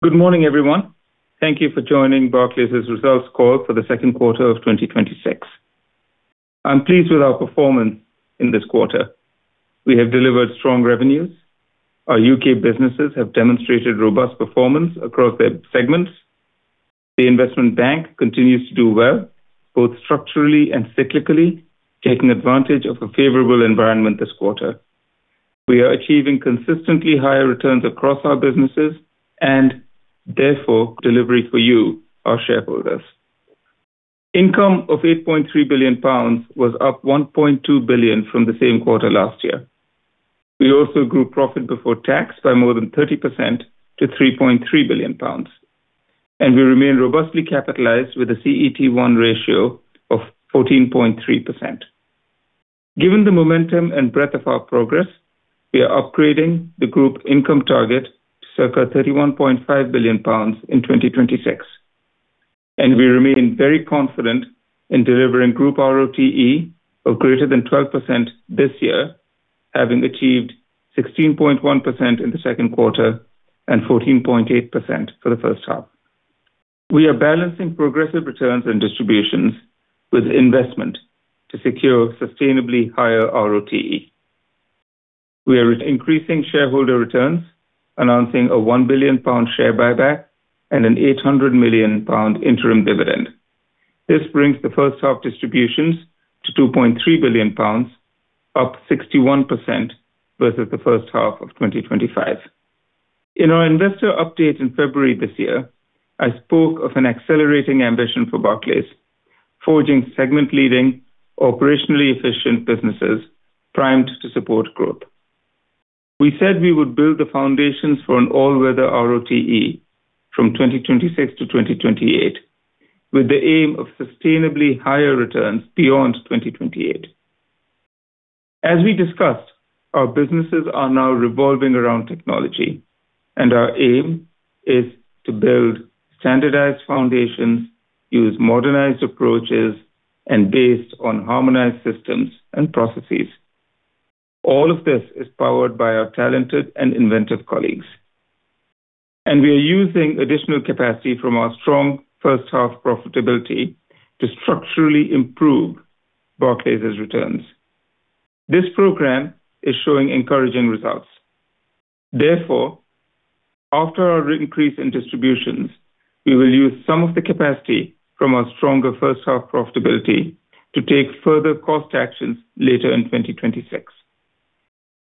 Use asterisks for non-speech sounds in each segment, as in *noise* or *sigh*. Good morning, everyone. Thank you for joining Barclays' results call for the second quarter of 2026. I'm pleased with our performance in this quarter. We have delivered strong revenues. Our U.K. businesses have demonstrated robust performance across their segments. The Investment Bank continues to do well, both structurally and cyclically, taking advantage of a favorable environment this quarter. We are achieving consistently higher returns across our businesses and therefore delivery for you, our shareholders. Income of 8.3 billion pounds was up 1.2 billion from the same quarter last year. We also grew profit before tax by more than 30% to 3.3 billion pounds. We remain robustly capitalized with a CET1 ratio of 14.3%. Given the momentum and breadth of our progress, we are upgrading the group income target to circa 31.5 billion pounds in 2026. We remain very confident in delivering group RoTE of greater than 12% this year, having achieved 16.1% in the second quarter and 14.8% for the first half. We are balancing progressive returns and distributions with investment to secure sustainably higher RoTE. We are increasing shareholder returns, announcing a 1 billion pound share buyback and a 800 million pound interim dividend. This brings the first half distributions to 2.3 billion pounds, up 61% versus the first half of 2025. In our investor update in February this year, I spoke of an accelerating ambition for Barclays, forging segment-leading, operationally efficient businesses primed to support growth. We said we would build the foundations for an all-weather RoTE from 2026 to 2028, with the aim of sustainably higher returns beyond 2028. As we discussed, our businesses are now revolving around technology. Our aim is to build standardized foundations, use modernized approaches, and based on harmonized systems and processes. All of this is powered by our talented and inventive colleagues. We are using additional capacity from our strong first half profitability to structurally improve Barclays' returns. This program is showing encouraging results. Therefore, after our increase in distributions, we will use some of the capacity from our stronger first half profitability to take further cost actions later in 2026.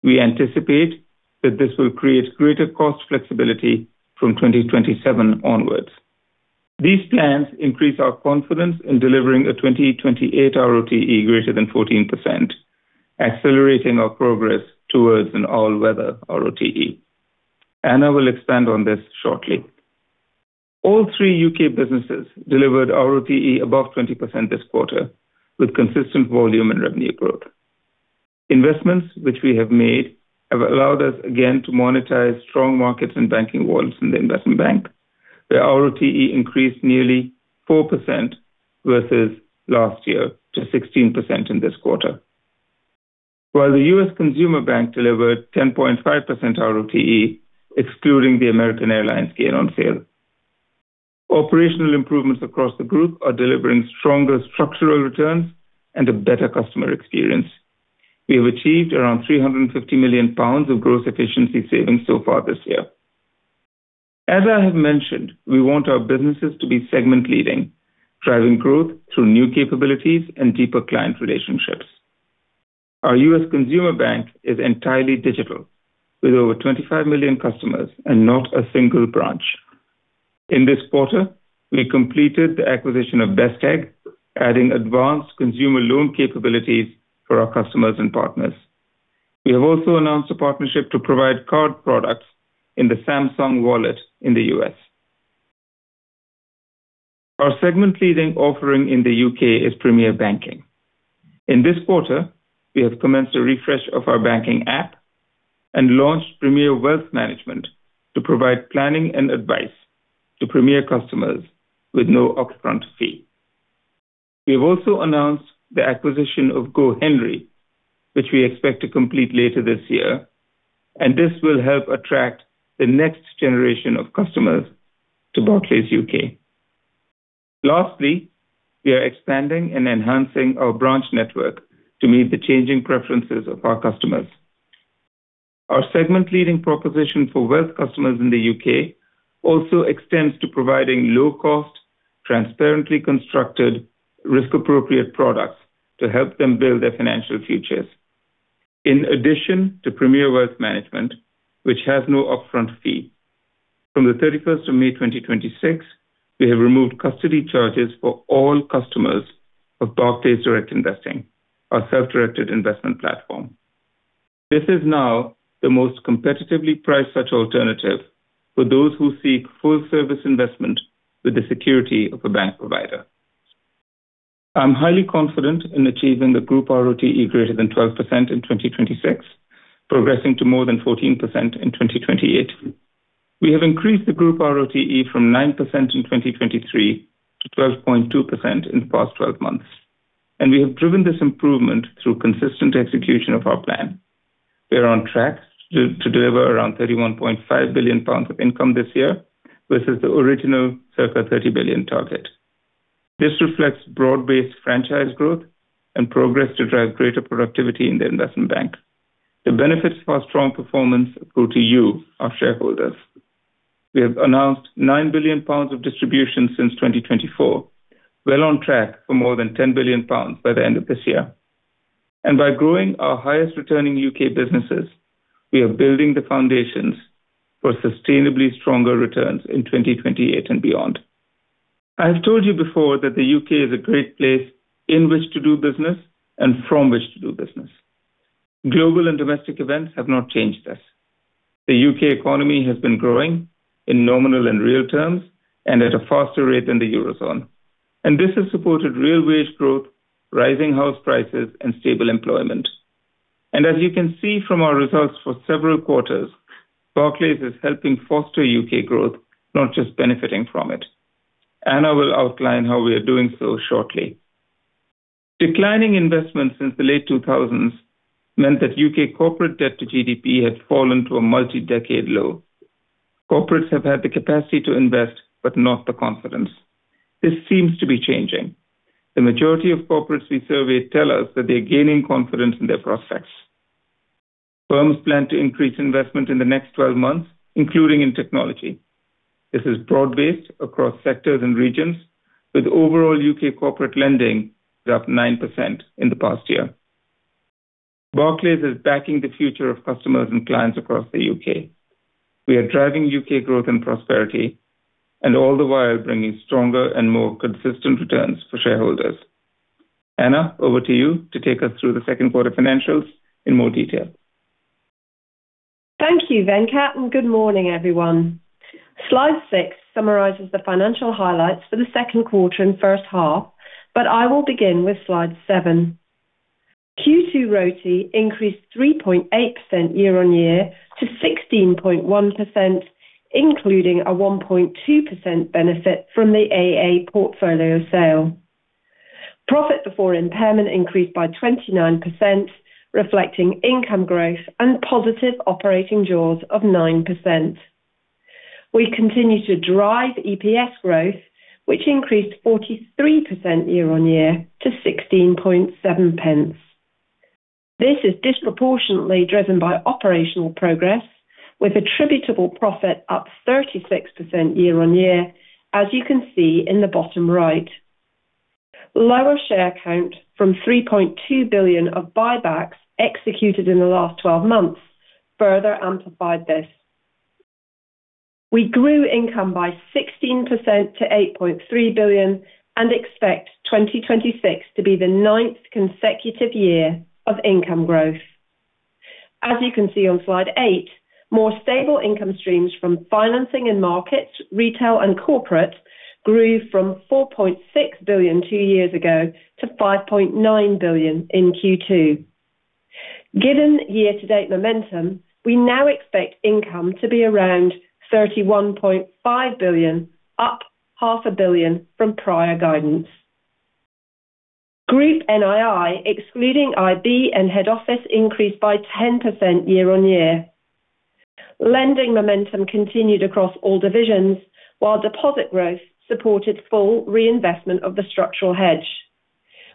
We anticipate that this will create greater cost flexibility from 2027 onwards. These plans increase our confidence in delivering a 2028 RoTE greater than 14%, accelerating our progress towards an all-weather RoTE. I will expand on this shortly. All three U.K. businesses delivered RoTE above 20% this quarter, with consistent volume and revenue growth. Investments which we have made have allowed us, again, to monetize strong markets and banking wallets in the Investment Bank. The RoTE increased nearly 4% versus last year to 16% in this quarter. While the US Consumer Bank delivered 10.5% RoTE excluding the American Airlines gain on sale. Operational improvements across the group are delivering stronger structural returns and a better customer experience. We have achieved around 350 million pounds of gross efficiency savings so far this year. As I have mentioned, we want our businesses to be segment-leading, driving growth through new capabilities and deeper client relationships. Our US Consumer Bank is entirely digital with over 25 million customers and not a single branch. In this quarter, we completed the acquisition of Best Egg, adding advanced consumer loan capabilities for our customers and partners. We have also announced a partnership to provide card products in the Samsung Wallet in the U.S. Our segment leading offering in the U.K. is Premier Banking. In this quarter, we have commenced a refresh of our banking app and launched Premier Wealth Management to provide Planning and Advice to Premier customers with no upfront fee. We have also announced the acquisition of GoHenry, which we expect to complete later this year, and this will help attract the next generation of customers to Barclays UK. We are expanding and enhancing our branch network to meet the changing preferences of our customers. Our segment-leading proposition for wealth customers in the U.K. also extends to providing low cost, transparently constructed, risk appropriate products to help them build their financial futures. In addition to Premier Wealth Management, which has no upfront fee, from the 31st of May 2026, we have removed custody charges for all customers of Barclays Direct Investing, our self-directed investment platform. This is now the most competitively priced such alternative for those who seek full service investment with the security of a bank provider. I'm highly confident in achieving the group RoTE greater than 12% in 2026, progressing to more than 14% in 2028. We have increased the group RoTE from 9% in 2023 to 12.2% in the past 12 months. We have driven this improvement through consistent execution of our plan. We are on track to deliver around 31.5 billion pounds of income this year, versus the original circa 30 billion target. This reflects broad-based franchise growth and progress to drive greater productivity in the Investment Bank. The benefits of our strong performance go to you, our shareholders. We have announced 9 billion pounds of distribution since 2024, well on track for more than 10 billion pounds by the end of this year. By growing our highest returning U.K. businesses, we are building the foundations for sustainably stronger returns in 2028 and beyond. I have told you before that the U.K. is a great place in which to do business and from which to do business. Global and domestic events have not changed this. The U.K. economy has been growing in nominal and real terms and at a faster rate than the eurozone, and this has supported real wage growth, rising house prices, and stable employment. As you can see from our results for several quarters, Barclays is helping foster U.K. growth, not just benefiting from it. Anna will outline how we are doing so shortly. Declining investments since the late 2000s meant that U.K. corporate debt to GDP had fallen to a multi-decade low. Corporates have had the capacity to invest, but not the confidence. This seems to be changing. The majority of corporates we survey tell us that they're gaining confidence in their prospects. Firms plan to increase investment in the next 12 months, including in technology. This is broad-based across sectors and regions, with overall U.K. corporate lending is up 9% in the past year. Barclays is backing the future of customers and clients across the U.K. We are driving U.K. growth and prosperity and all the while bringing stronger and more consistent returns for shareholders. Anna, over to you to take us through the second quarter financials in more detail. Thank you, Venkat, and good morning, everyone. Slide six summarizes the financial highlights for the second quarter and first half. I will begin with slide seven. Q2 RoTE increased 3.8% year-on-year to 16.1%, including a 1.2% benefit from the AA portfolio sale. Profit before impairment increased by 29%, reflecting income growth and positive operating jaws of 9%. We continue to drive EPS growth, which increased 43% year-on-year to 0.167. This is disproportionately driven by operational progress, with attributable profit up 36% year-on-year, as you can see in the bottom right. Lower share count from 3.2 billion of buybacks executed in the last 12 months further amplified this. We grew income by 16% to 8.3 billion and expect 2026 to be the ninth consecutive year of income growth. As you can see on slide eight, more stable income streams from financing in markets, retail, and corporate grew from 4.6 billion two years ago to 5.9 billion in Q2. Given year-to-date momentum, we now expect income to be around 31.5 billion, up 500 million from prior guidance. Group NII, excluding IB and Head Office, increased by 10% year-on-year. Lending momentum continued across all divisions, while deposit growth supported full reinvestment of the structural hedge.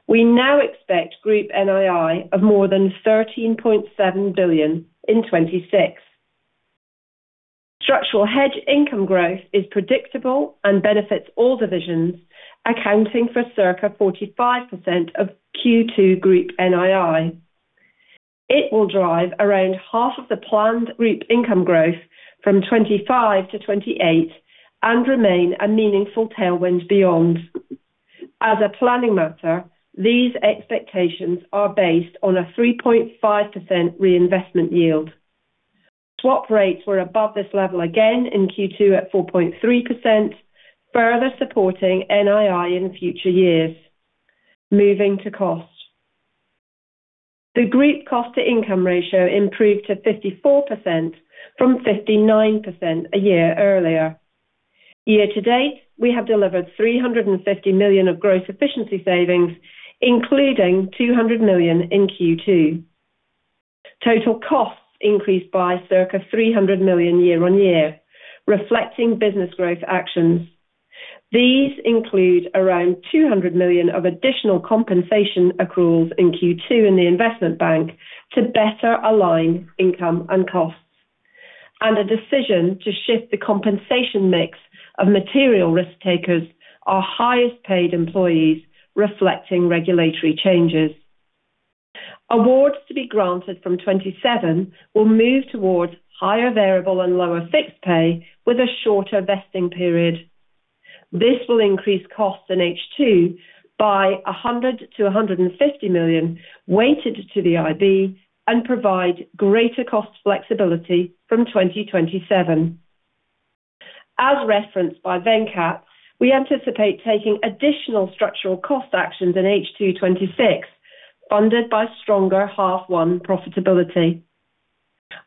We now expect group NII of more than 13.7 billion in 2026. Structural hedge income growth is predictable and benefits all divisions, accounting for circa 45% of Q2 Group NII. It will drive around half of the planned group income growth from 2025 to 2028 and remain a meaningful tailwind beyond. As a planning matter, these expectations are based on a 3.5% reinvestment yield. Swap rates were above this level again in Q2 at 4.3%, further supporting NII in future years. Moving to costs. The group cost-to-income ratio improved to 54% from 59% a year earlier. Year-to-date, we have delivered 350 million of gross efficiency savings, including 200 million in Q2. Total costs increased by circa 300 million year-on-year, reflecting business growth actions. These include around 200 million of additional compensation accruals in Q2 in the Investment Bank to better align income and costs, and a decision to shift the compensation mix of Material Risk Takers, our highest-paid employees, reflecting regulatory changes. Awards to be granted from 2027 will move towards higher variable and lower fixed pay with a shorter vesting period. This will increase costs in H2 by 100 million-150 million, weighted to the IB, and provide greater cost flexibility from 2027. As referenced by Venkat, we anticipate taking additional structural cost actions in H2 2026, funded by stronger half one profitability.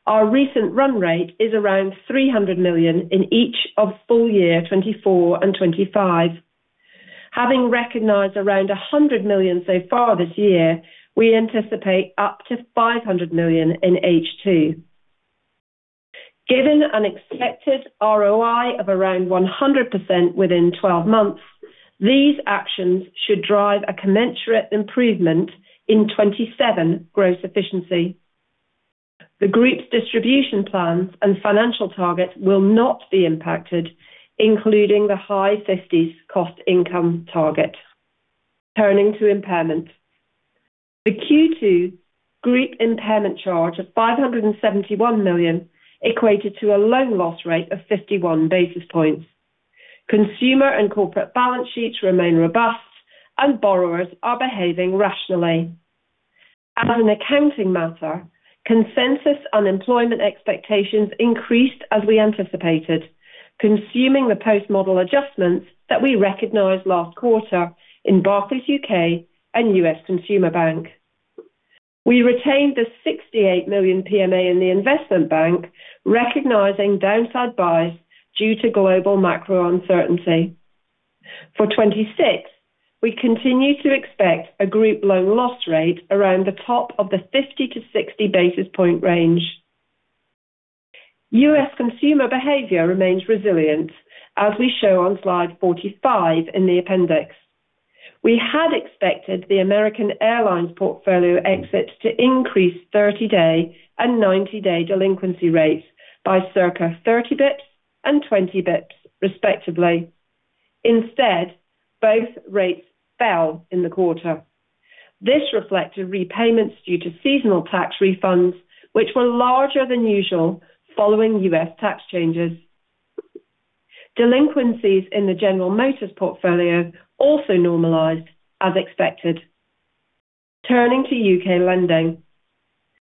Our recent run rate is around 300 million in each of full year 2024 and 2025. Having recognized around 100 million so far this year, we anticipate up to 500 million in H2. Given an expected ROI of around 100% within 12 months, these actions should drive a commensurate improvement in 2027 growth efficiency. The group's distribution plans and financial targets will not be impacted, including the high 50s cost-income target. Turning to impairment. The Q2 group impairment charge of 571 million equated to a loan loss rate of 51 basis points. Consumer and corporate balance sheets remain robust, and borrowers are behaving rationally. As an accounting matter, consensus unemployment expectations increased as we anticipated, consuming the post-model adjustments that we recognized last quarter in Barclays UK and US Consumer Bank. We retained the 68 million PMA in the Investment Bank, recognizing downside buys due to global macro uncertainty. For 2026, we continue to expect a group loan loss rate around the top of the 50-60 basis points range. U.S. consumer behavior remains resilient, as we show on slide 45 in the appendix. We had expected the American Airlines portfolio exit to increase 30-day and 90-day delinquency rates by circa 30 basis points and 20 basis points respectively. Instead, both rates fell in the quarter. This reflected repayments due to seasonal tax refunds, which were larger than usual following U.S. tax changes. Delinquencies in the General Motors portfolio also normalized as expected. Turning to U.K. lending.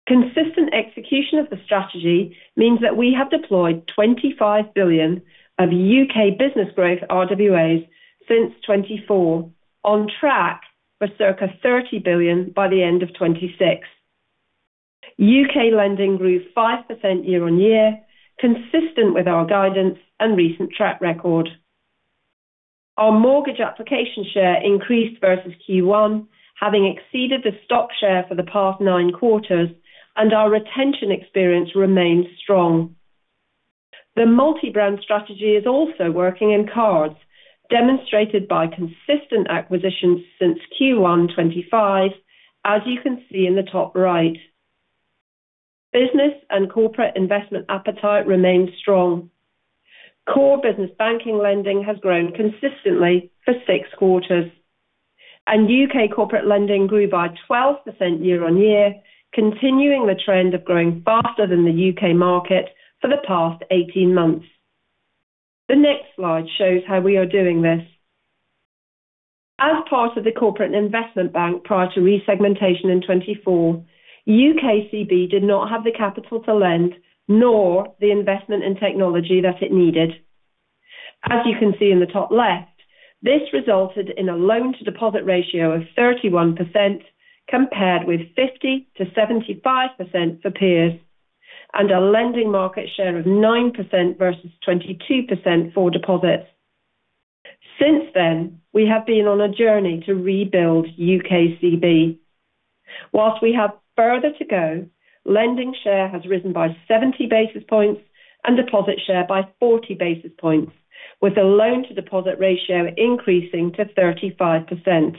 Consistent execution of the strategy means that we have deployed 25 billion of U.K. business growth RWAs since 2024, on track for circa 30 billion by the end of 2026. U.K. lending grew 5% year-on-year, consistent with our guidance and recent track record. Our mortgage application share increased versus Q1, having exceeded the stock share for the past nine quarters, and our retention experience remains strong. The multi-brand strategy is also working in cards, demonstrated by consistent acquisitions since Q1 2025, as you can see in the top right. Business and corporate investment appetite remains strong. Core business banking lending has grown consistently for six quarters, and U.K. corporate lending grew by 12% year-on-year, continuing the trend of growing faster than the U.K. market for the past 18 months. The next slide shows how we are doing this. As part of the Corporate and Investment Bank prior to resegmentation in 2024, UKCB did not have the capital to lend, nor the investment in technology that it needed. As you can see in the top left, this resulted in a loan-to-deposit ratio of 31%, compared with 50%-75% for peers, and a lending market share of 9% versus 22% for deposits. Since then, we have been on a journey to rebuild UKCB. Whilst we have further to go, lending share has risen by 70 basis points and deposit share by 40 basis points, with the loan-to-deposit ratio increasing to 35%.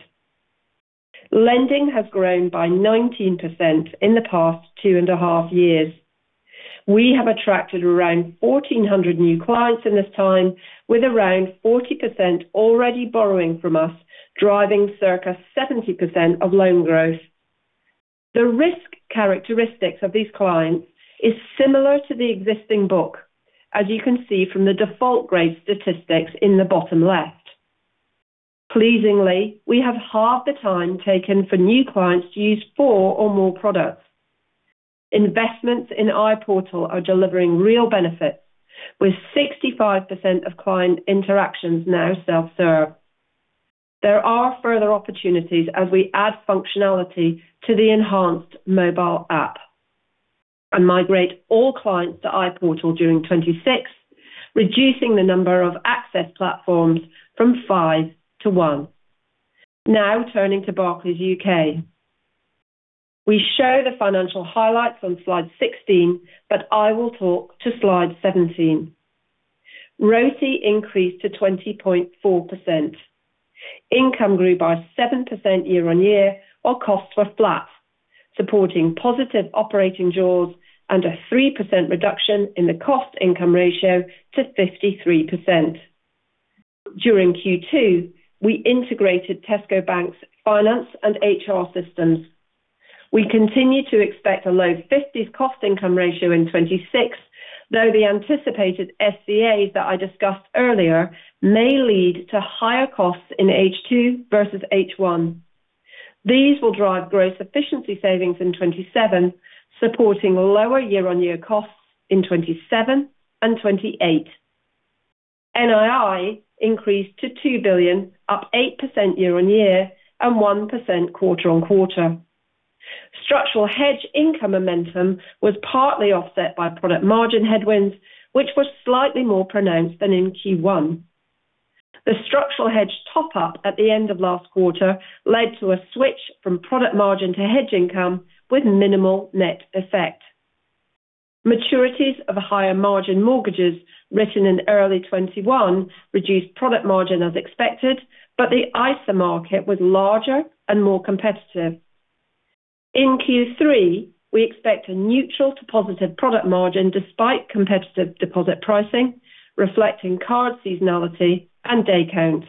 Lending has grown by 19% in the past two and a half years. We have attracted around 1,400 new clients in this time, with around 40% already borrowing from us, driving circa 70% of loan growth. The risk characteristics of these clients is similar to the existing book, as you can see from the default grade statistics in the bottom left. Pleasingly, we have halved the time taken for new clients to use four or more products. Investments in iPortal are delivering real benefits, with 65% of client interactions now self-serve. There are further opportunities as we add functionality to the enhanced mobile app and migrate all clients to iPortal during 2026, reducing the number of access platforms from five to one. Now turning to Barclays UK. We show the financial highlights on slide 16, but I will talk to slide 17. ROCE increased to 20.4%. Income grew by 7% year-on-year, while costs were flat, supporting positive operating jaws and a 3% reduction in the cost-income ratio to 53%. During Q2, we integrated Tesco Bank's finance and HR systems. We continue to expect a low 50s cost-income ratio in 2026, though the anticipated SCAs that I discussed earlier may lead to higher costs in H2 versus H1. These will drive gross efficiency savings in 2027, supporting lower year-on-year costs in 2027 and 2028. NII increased to 2 billion, up 8% year-on-year, and 1% quarter-on-quarter. Structural hedge income momentum was partly offset by product margin headwinds, which were slightly more pronounced than in Q1. The structural hedge top-up at the end of last quarter led to a switch from product margin to hedge income with minimal net effect. Maturities of higher margin mortgages written in early 2021 reduced product margin as expected, but the ISA market was larger and more competitive. In Q3, we expect a neutral to positive product margin despite competitive deposit pricing, reflecting card seasonality and day count.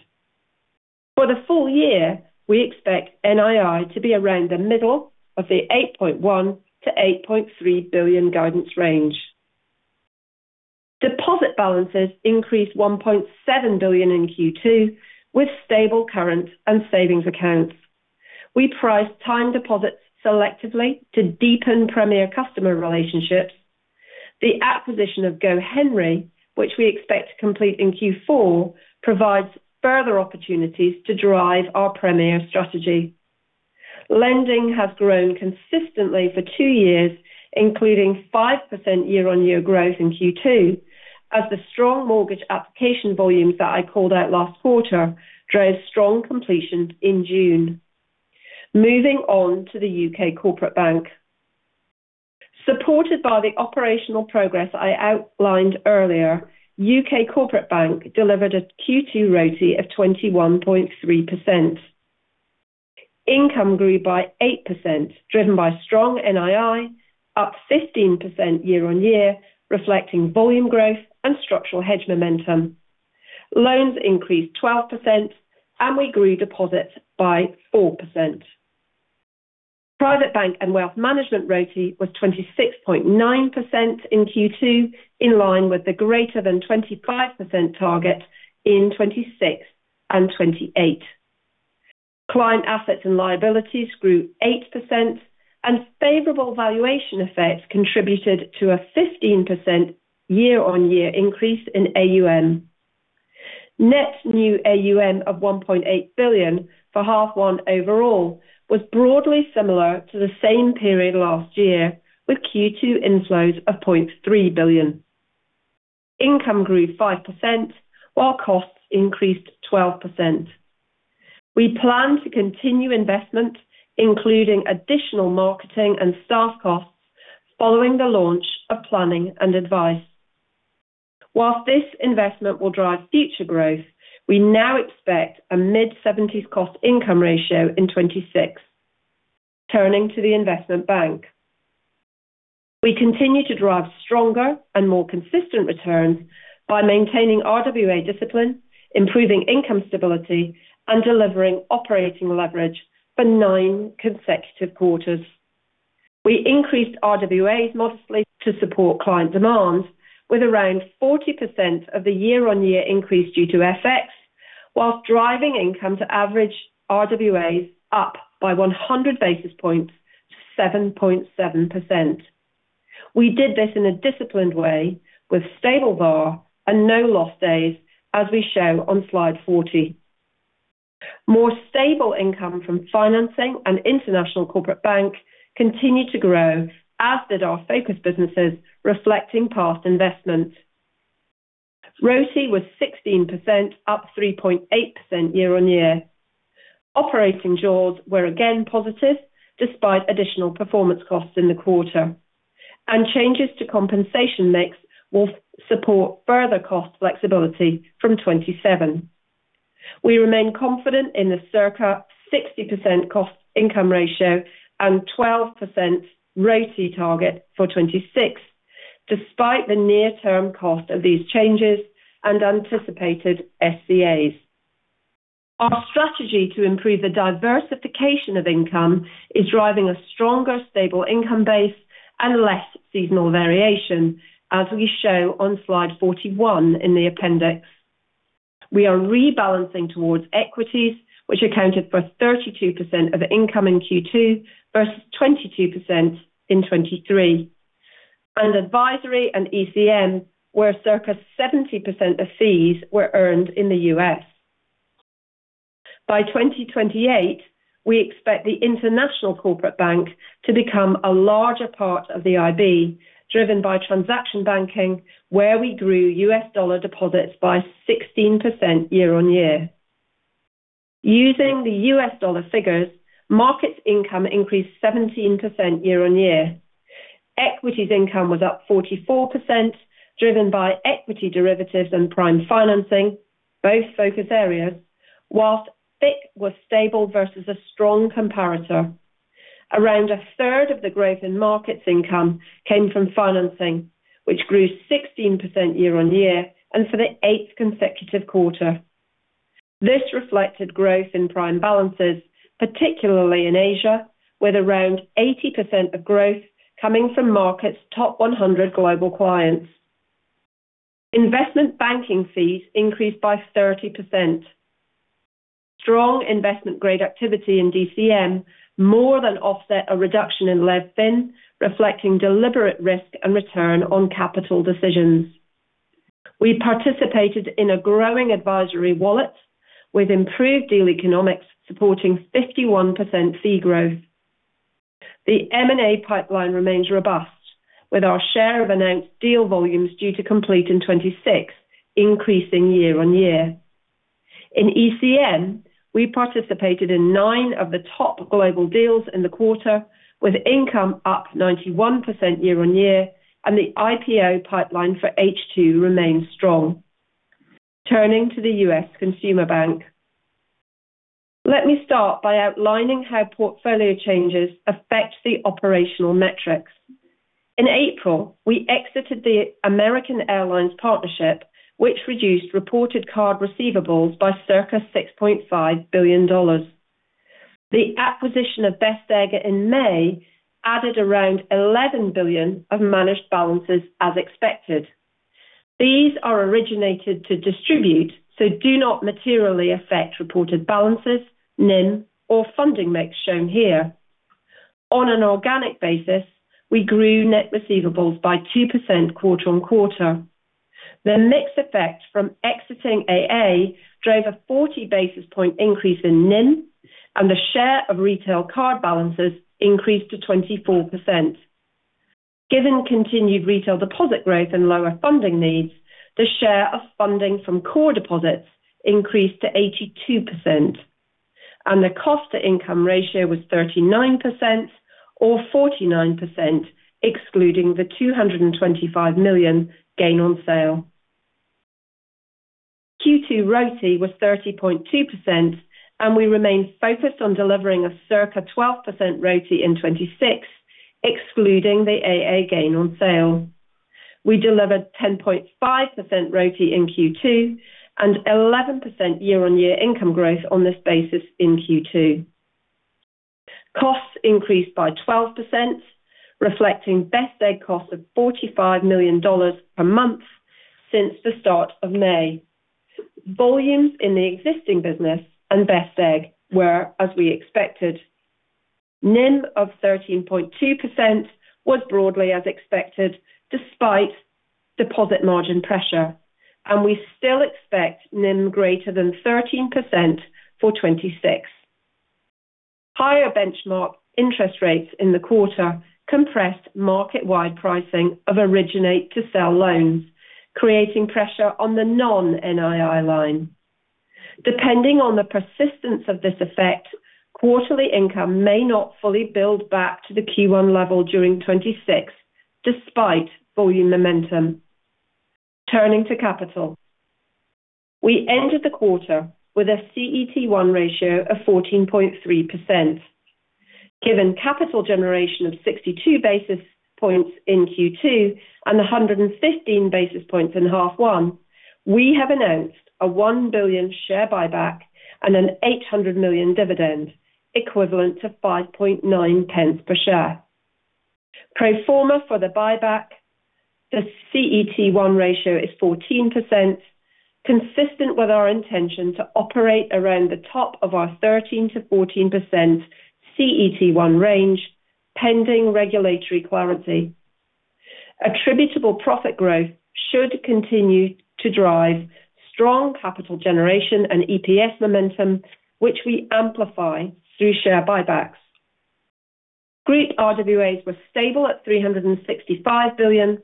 For the full year, we expect NII to be around the middle of the 8.1 billion-8.3 billion guidance range. Deposit balances increased 1.7 billion in Q2 with stable current and savings accounts. We priced time deposits selectively to deepen Premier customer relationships. The acquisition of GoHenry, which we expect to complete in Q4, provides further opportunities to drive our Premier strategy. Lending has grown consistently for two years, including 5% year-on-year growth in Q2 as the strong mortgage application volumes that I called out last quarter drove strong completions in June. Moving on to the UK Corporate Bank. Supported by the operational progress I outlined earlier, UK Corporate Bank delivered a Q2 RoTE of 21.3%. Income grew by 8%, driven by strong NII, up 15% year-on-year, reflecting volume growth and structural hedge momentum. Loans increased 12%, and we grew deposits by 4%. Private Bank and Wealth Management RoTE was 26.9% in Q2, in line with the greater than 25% target in 2026 and 2028. Client assets and liabilities grew 8%, and favorable valuation effects contributed to a 15% year-on-year increase in AUM. Net new AUM of 1.8 billion for half one overall was broadly similar to the same period last year, with Q2 inflows of 0.3 billion. Income grew 5%, while costs increased 12%. We plan to continue investment, including additional marketing and staff costs, following the launch of Planning and Advice. Whilst this investment will drive future growth, we now expect a mid-70s cost-income ratio in 2026. Turning to the Investment Bank. We continue to drive stronger and more consistent returns by maintaining RWA discipline, improving income stability, and delivering operating leverage for nine consecutive quarters. We increased RWAs mostly to support client demands with around 40% of the year-on-year increase due to FX, whilst driving income to average RWAs up by 100 basis points to 7.7%. We did this in a disciplined way with stable VaR and no loss days, as we show on slide 40. More stable income from Financing and International Corporate Bank continued to grow, as did our focus businesses reflecting past investments. RoTE was 16%, up 3.8% year-on-year. Operating jaws were again positive despite additional performance costs in the quarter. Changes to compensation mix will support further cost flexibility from 2027. We remain confident in the circa 60% cost-income ratio and 12% RoTE target for 2026, despite the near-term cost of these changes and anticipated SCAs. Our strategy to improve the diversification of income is driving a stronger stable income base and less seasonal variation, as we show on slide 41 in the appendix. We are rebalancing towards equities, which accounted for 32% of income in Q2 versus 22% in 2023, and Advisory and ECM, where circa 70% of fees were earned in the U.S. By 2028, we expect the International Corporate Bank to become a larger part of the IB, driven by Transaction Banking, where we grew U.S. dollar deposits by 16% year-on-year. Using the U.S. dollar figures, markets income increased 17% year-on-year. Equities income was up 44%, driven by equity derivatives and prime financing, both focus areas, whilst FICC was stable versus a strong comparator. Around a third of the growth in markets income came from financing, which grew 16% year-on-year and for the eighth consecutive quarter. This reflected growth in prime balances, particularly in Asia, with around 80% of growth coming from markets top 100 global clients. Investment banking fees increased by 30%. Strong investment-grade activity in DCM more than offset a reduction in Lev Fin, reflecting deliberate risk and return on capital decisions. We participated in a growing advisory wallet with improved deal economics supporting 51% fee growth. The M&A pipeline remains robust with our share of announced deal volumes due to complete in 2026, increasing year-on-year. In ECM, we participated in nine of the top global deals in the quarter, with income up 91% year-on-year, and the IPO pipeline for H2 remains strong. Turning to the US Consumer Bank. Let me start by outlining how portfolio changes affect the operational metrics. In April, we exited the American Airlines partnership, which reduced reported card receivables by circa $6.5 billion. The acquisition of Best Egg in May added around $11 billion of managed balances as expected. These are originated to distribute, so do not materially affect reported balances, NIM, or funding mix shown here. On an organic basis, we grew net receivables by 2% quarter-on-quarter. The mix effect from exiting AA drove a 40 basis point increase in NIM, and the share of retail card balances increased to 24%. Given continued retail deposit growth and lower funding needs, the share of funding from core deposits increased to 82%, and the cost-to-income ratio was 39%, or 49%, excluding the $225 million gain on sale. Q2 RoTE was 30.2%, and we remain focused on delivering a circa 12% RoTE in 2026, excluding the AA gain on sale. We delivered 10.5% RoTE in Q2, and 11% year-on-year income growth on this basis in Q2. Costs increased by 12%, reflecting Best Egg costs of $45 million per month since the start of May. Volumes in the existing business and Best Egg were as we expected. NIM of 13.2% was broadly as expected despite deposit margin pressure, and we still expect NIM greater than 13% for 2026. Higher benchmark interest rates in the quarter compressed market-wide pricing of originate to sell loans, creating pressure on the non-NII line. Depending on the persistence of this effect, quarterly income may not fully build back to the Q1 level during 2026, despite volume momentum. Turning to capital. We ended the quarter with a CET1 ratio of 14.3%. Given capital generation of 62 basis points in Q2 and 115 basis points in half one, we have announced a 1 billion share buyback and a 800 million dividend equivalent to 0.059 per share. Pro forma for the buyback, the CET1 ratio is 14%, consistent with our intention to operate around the top of our 13%-14% CET1 range, pending regulatory clarity. Attributable profit growth should continue to drive strong capital generation and EPS momentum, which we amplify through share buybacks. Group RWAs were stable at 365 billion.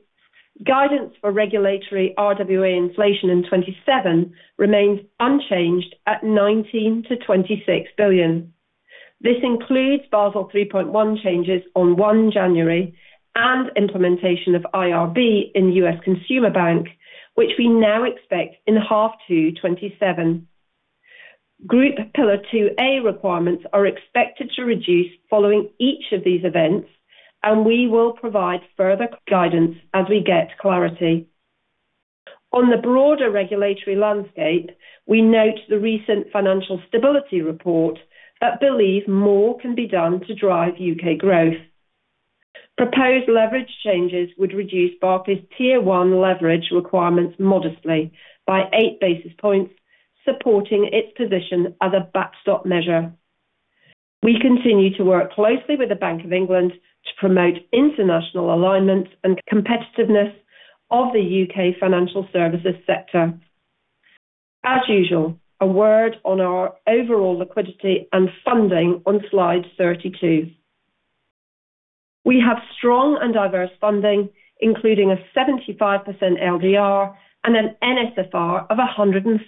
Guidance for regulatory RWA inflation in 2027 remains unchanged at 19 billion-26 billion. This includes Basel 3.1 changes on 1 January and implementation of IRB in the US Consumer Bank, which we now expect in half two 2027. Group Pillar 2A requirements are expected to reduce following each of these events, and we will provide further guidance as we get clarity. On the broader regulatory landscape, we note the recent financial stability report that believes more can be done to drive U.K. growth. Proposed leverage changes would reduce Barclays' Tier 1 leverage requirements modestly by 8 basis points, supporting its position as a backstop measure. We continue to work closely with the Bank of England to promote international alignment and competitiveness of the U.K. financial services sector. As usual, a word on our overall liquidity and funding on slide 32. We have strong and diverse funding, including a 75% LDR and an NSFR of 136%.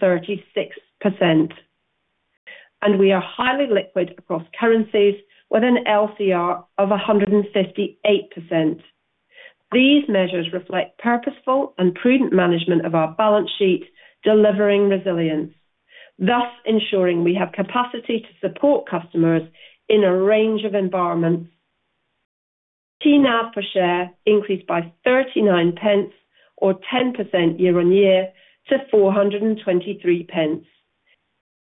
We are highly liquid across currencies with an LCR of 158%. These measures reflect purposeful and prudent management of our balance sheet, delivering resilience, thus ensuring we have capacity to support customers in a range of environments. TNAV per share increased by 0.39 or 10% year-on-year to 4.23.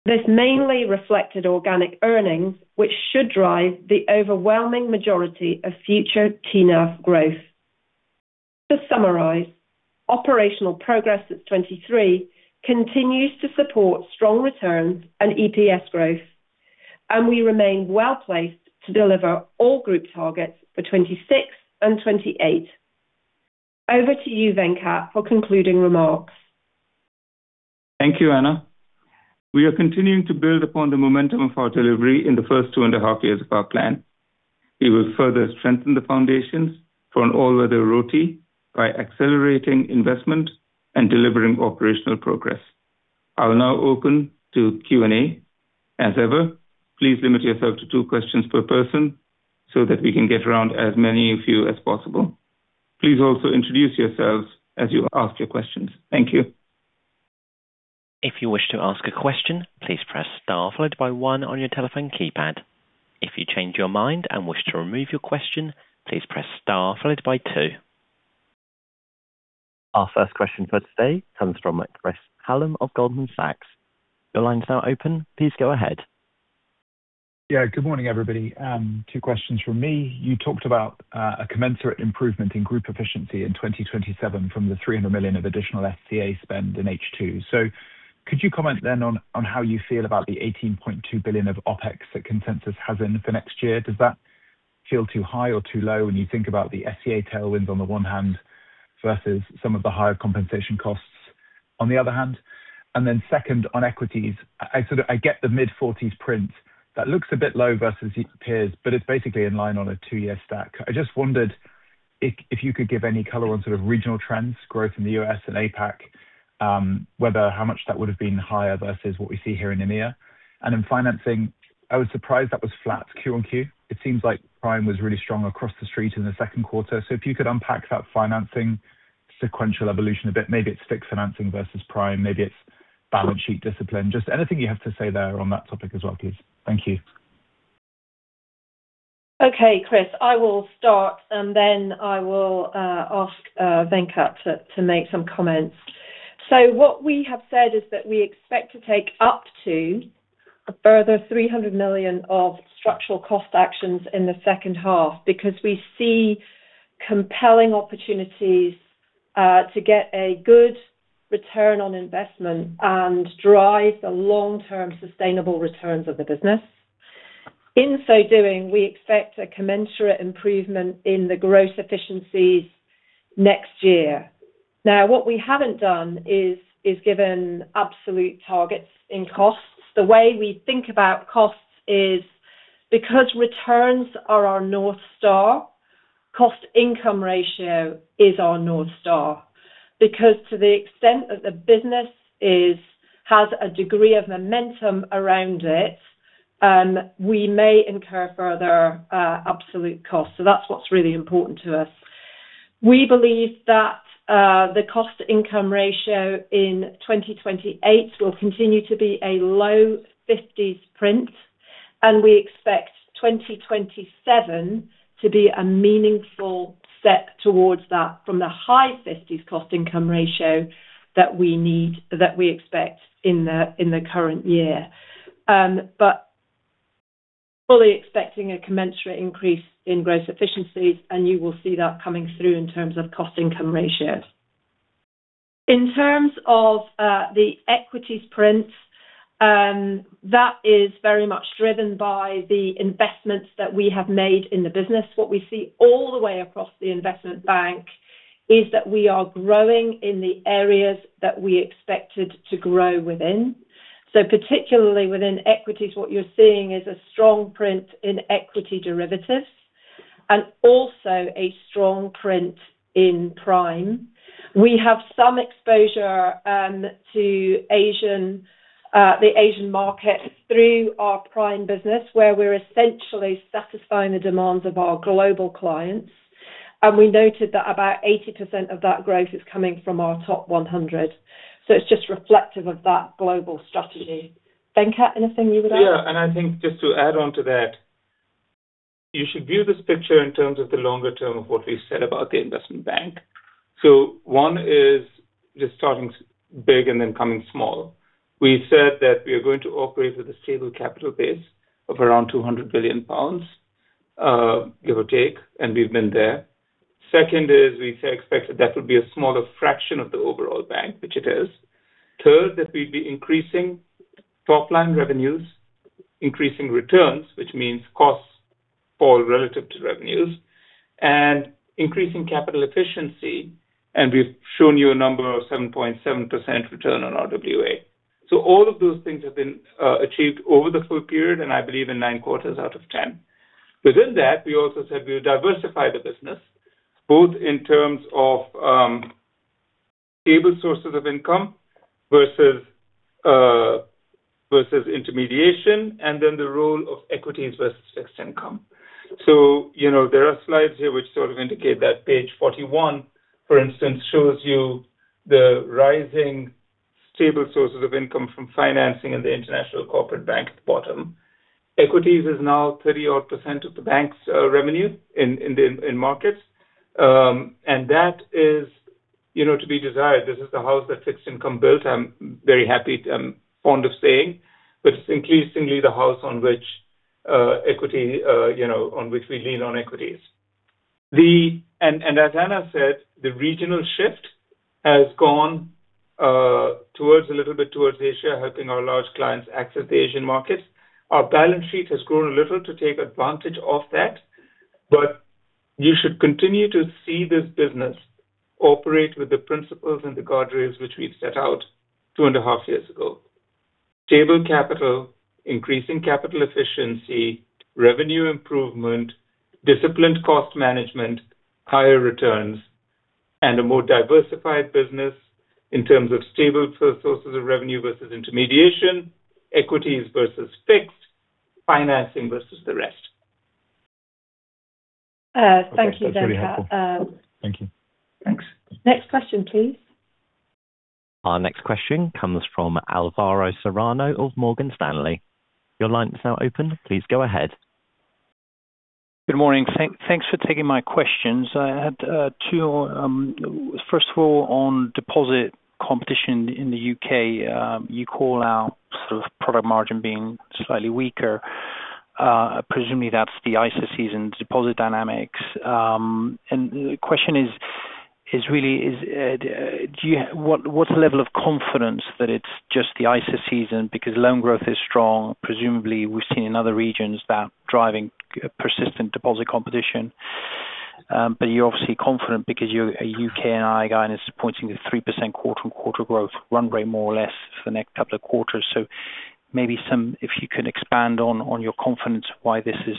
This mainly reflected organic earnings, which should drive the overwhelming majority of future TNAV growth. To summarize, operational progress at 2023 continues to support strong returns and EPS growth. We remain well placed to deliver all group targets for 2026 and 2028. Over to you, Venkat, for concluding remarks. Thank you, Anna. We are continuing to build upon the momentum of our delivery in the first two and a half years of our plan. We will further strengthen the foundations for an all-weather RoTE by accelerating investment and delivering operational progress. I will now open to Q&A. As ever, please limit yourself to two questions per person so that we can get around as many of you as possible. Please also introduce yourselves as you ask your questions. Thank you. If you wish to ask a question, please press star followed by one on your telephone keypad. If you change your mind and wish to remove your question, please press star followed by two. Our first question for today comes from Chris Hallam of Goldman Sachs. Your line's now open. Please go ahead. Yeah. Good morning, everybody. Two questions from me. You talked about a commensurate improvement in group efficiency in 2027 from the 300 million of additional SCA spend in H2. Could you comment then on how you feel about the 18.2 billion of OpEx that consensus has in for next year? Does that feel too high or too low when you think about the SCA tailwinds on the one hand, versus some of the higher compensation costs on the other hand? Second, on equities, I get the mid-40s print that looks a bit low versus your peers, but it's basically in line on a two-year stack. I just wondered if you could give any color on sort of regional trends growth in the U.S. and APAC, whether how much that would have been higher versus what we see here in EMEA. In financing, I was surprised that was flat Q-on-Q. It seems like Prime was really strong across the street in the second quarter. If you could unpack that financing sequential evolution a bit. Maybe it's fixed financing versus Prime, maybe it's balance sheet discipline. Just anything you have to say there on that topic as well, please. Thank you. Okay, Chris, I will start and then I will ask Venkat to make some comments. What we have said is that we expect to take up to a further 300 million of structural cost actions in the second half because we see compelling opportunities to get a good return on investment and drive the long-term sustainable returns of the business. In so doing, we expect a commensurate improvement in the gross efficiencies next year. What we haven't done is given absolute targets in costs. The way we think about costs is because returns are our North Star, cost-income ratio is our North Star. To the extent that the business has a degree of momentum around it, we may incur further absolute costs. That's what's really important to us. We believe that the cost-income ratio in 2028 will continue to be a low 50s print, and we expect 2027 to be a meaningful step towards that from the high 50s cost-income ratio that we expect in the current year. Fully expecting a commensurate increase in gross efficiencies, and you will see that coming through in terms of cost-income ratios. In terms of the equities print, that is very much driven by the investments that we have made in the business. What we see all the way across the Investment Bank is that we are growing in the areas that we expected to grow within. Particularly within equities, what you're seeing is a strong print in equity derivatives and also a strong print in Prime. We have some exposure to the Asian market through our Prime business, where we're essentially satisfying the demands of our global clients. We noted that about 80% of that growth is coming from our top 100. It's just reflective of that global strategy. Venkat, anything you would add? Yeah. I think just to add on to that, you should view this picture in terms of the longer term of what we said about the Investment Bank. One is just starting big and then coming small. We said that we are going to operate with a stable capital base of around 200 billion pounds, give or take, and we've been there. Second is we expected that would be a smaller fraction of the overall bank, which it is. Third, that we'd be increasing top-line revenues, increasing returns, which means costs fall relative to revenues, and increasing capital efficiency. We've shown you a number of 7.7% return on RWA. All of those things have been achieved over the full period, and I believe in nine quarters out of 10. Within that, we also said we would diversify the business, both in terms of stable sources of income versus intermediation, and then the role of equities versus fixed income. There are slides here which sort of indicate that. Page 41, for instance, shows you the rising stable sources of income from financing in the International Corporate Bank at the bottom. Equities is now 30-odd percent of the bank's revenue in markets. That is to be desired. This is the house that fixed income built, I'm very happy, I'm fond of saying, but it's increasingly the house on which we lean on equities. As Anna said, the regional shift has gone a little bit towards Asia, helping our large clients access the Asian markets. Our balance sheet has grown a little to take advantage of that. You should continue to see this business operate with the principles and the guardrails which we've set out two and a half years ago. Stable capital, increasing capital efficiency, revenue improvement, disciplined cost management, higher returns, and a more diversified business in terms of stable sources of revenue versus intermediation, equities versus fixed, financing versus the rest. Thank you, Venkat. Okay. That's very helpful. Thank you. Thanks. Next question, please. Our next question comes from Alvaro Serrano of Morgan Stanley. Your line is now open. Please go ahead. Good morning. Thanks for taking my questions. I had two. First of all, on deposit competition in the U.K. You call out product margin being slightly weaker. Presumably, that's the ISA season deposit dynamics. The question is really, what's the level of confidence that it's just the ISA season? Loan growth is strong. Presumably, we've seen in other regions that driving persistent deposit competition. You're obviously confident because your U.K. NII guidance is pointing to 3% quarter-on-quarter growth, run rate more or less for the next couple of quarters. Maybe if you could expand on your confidence why this is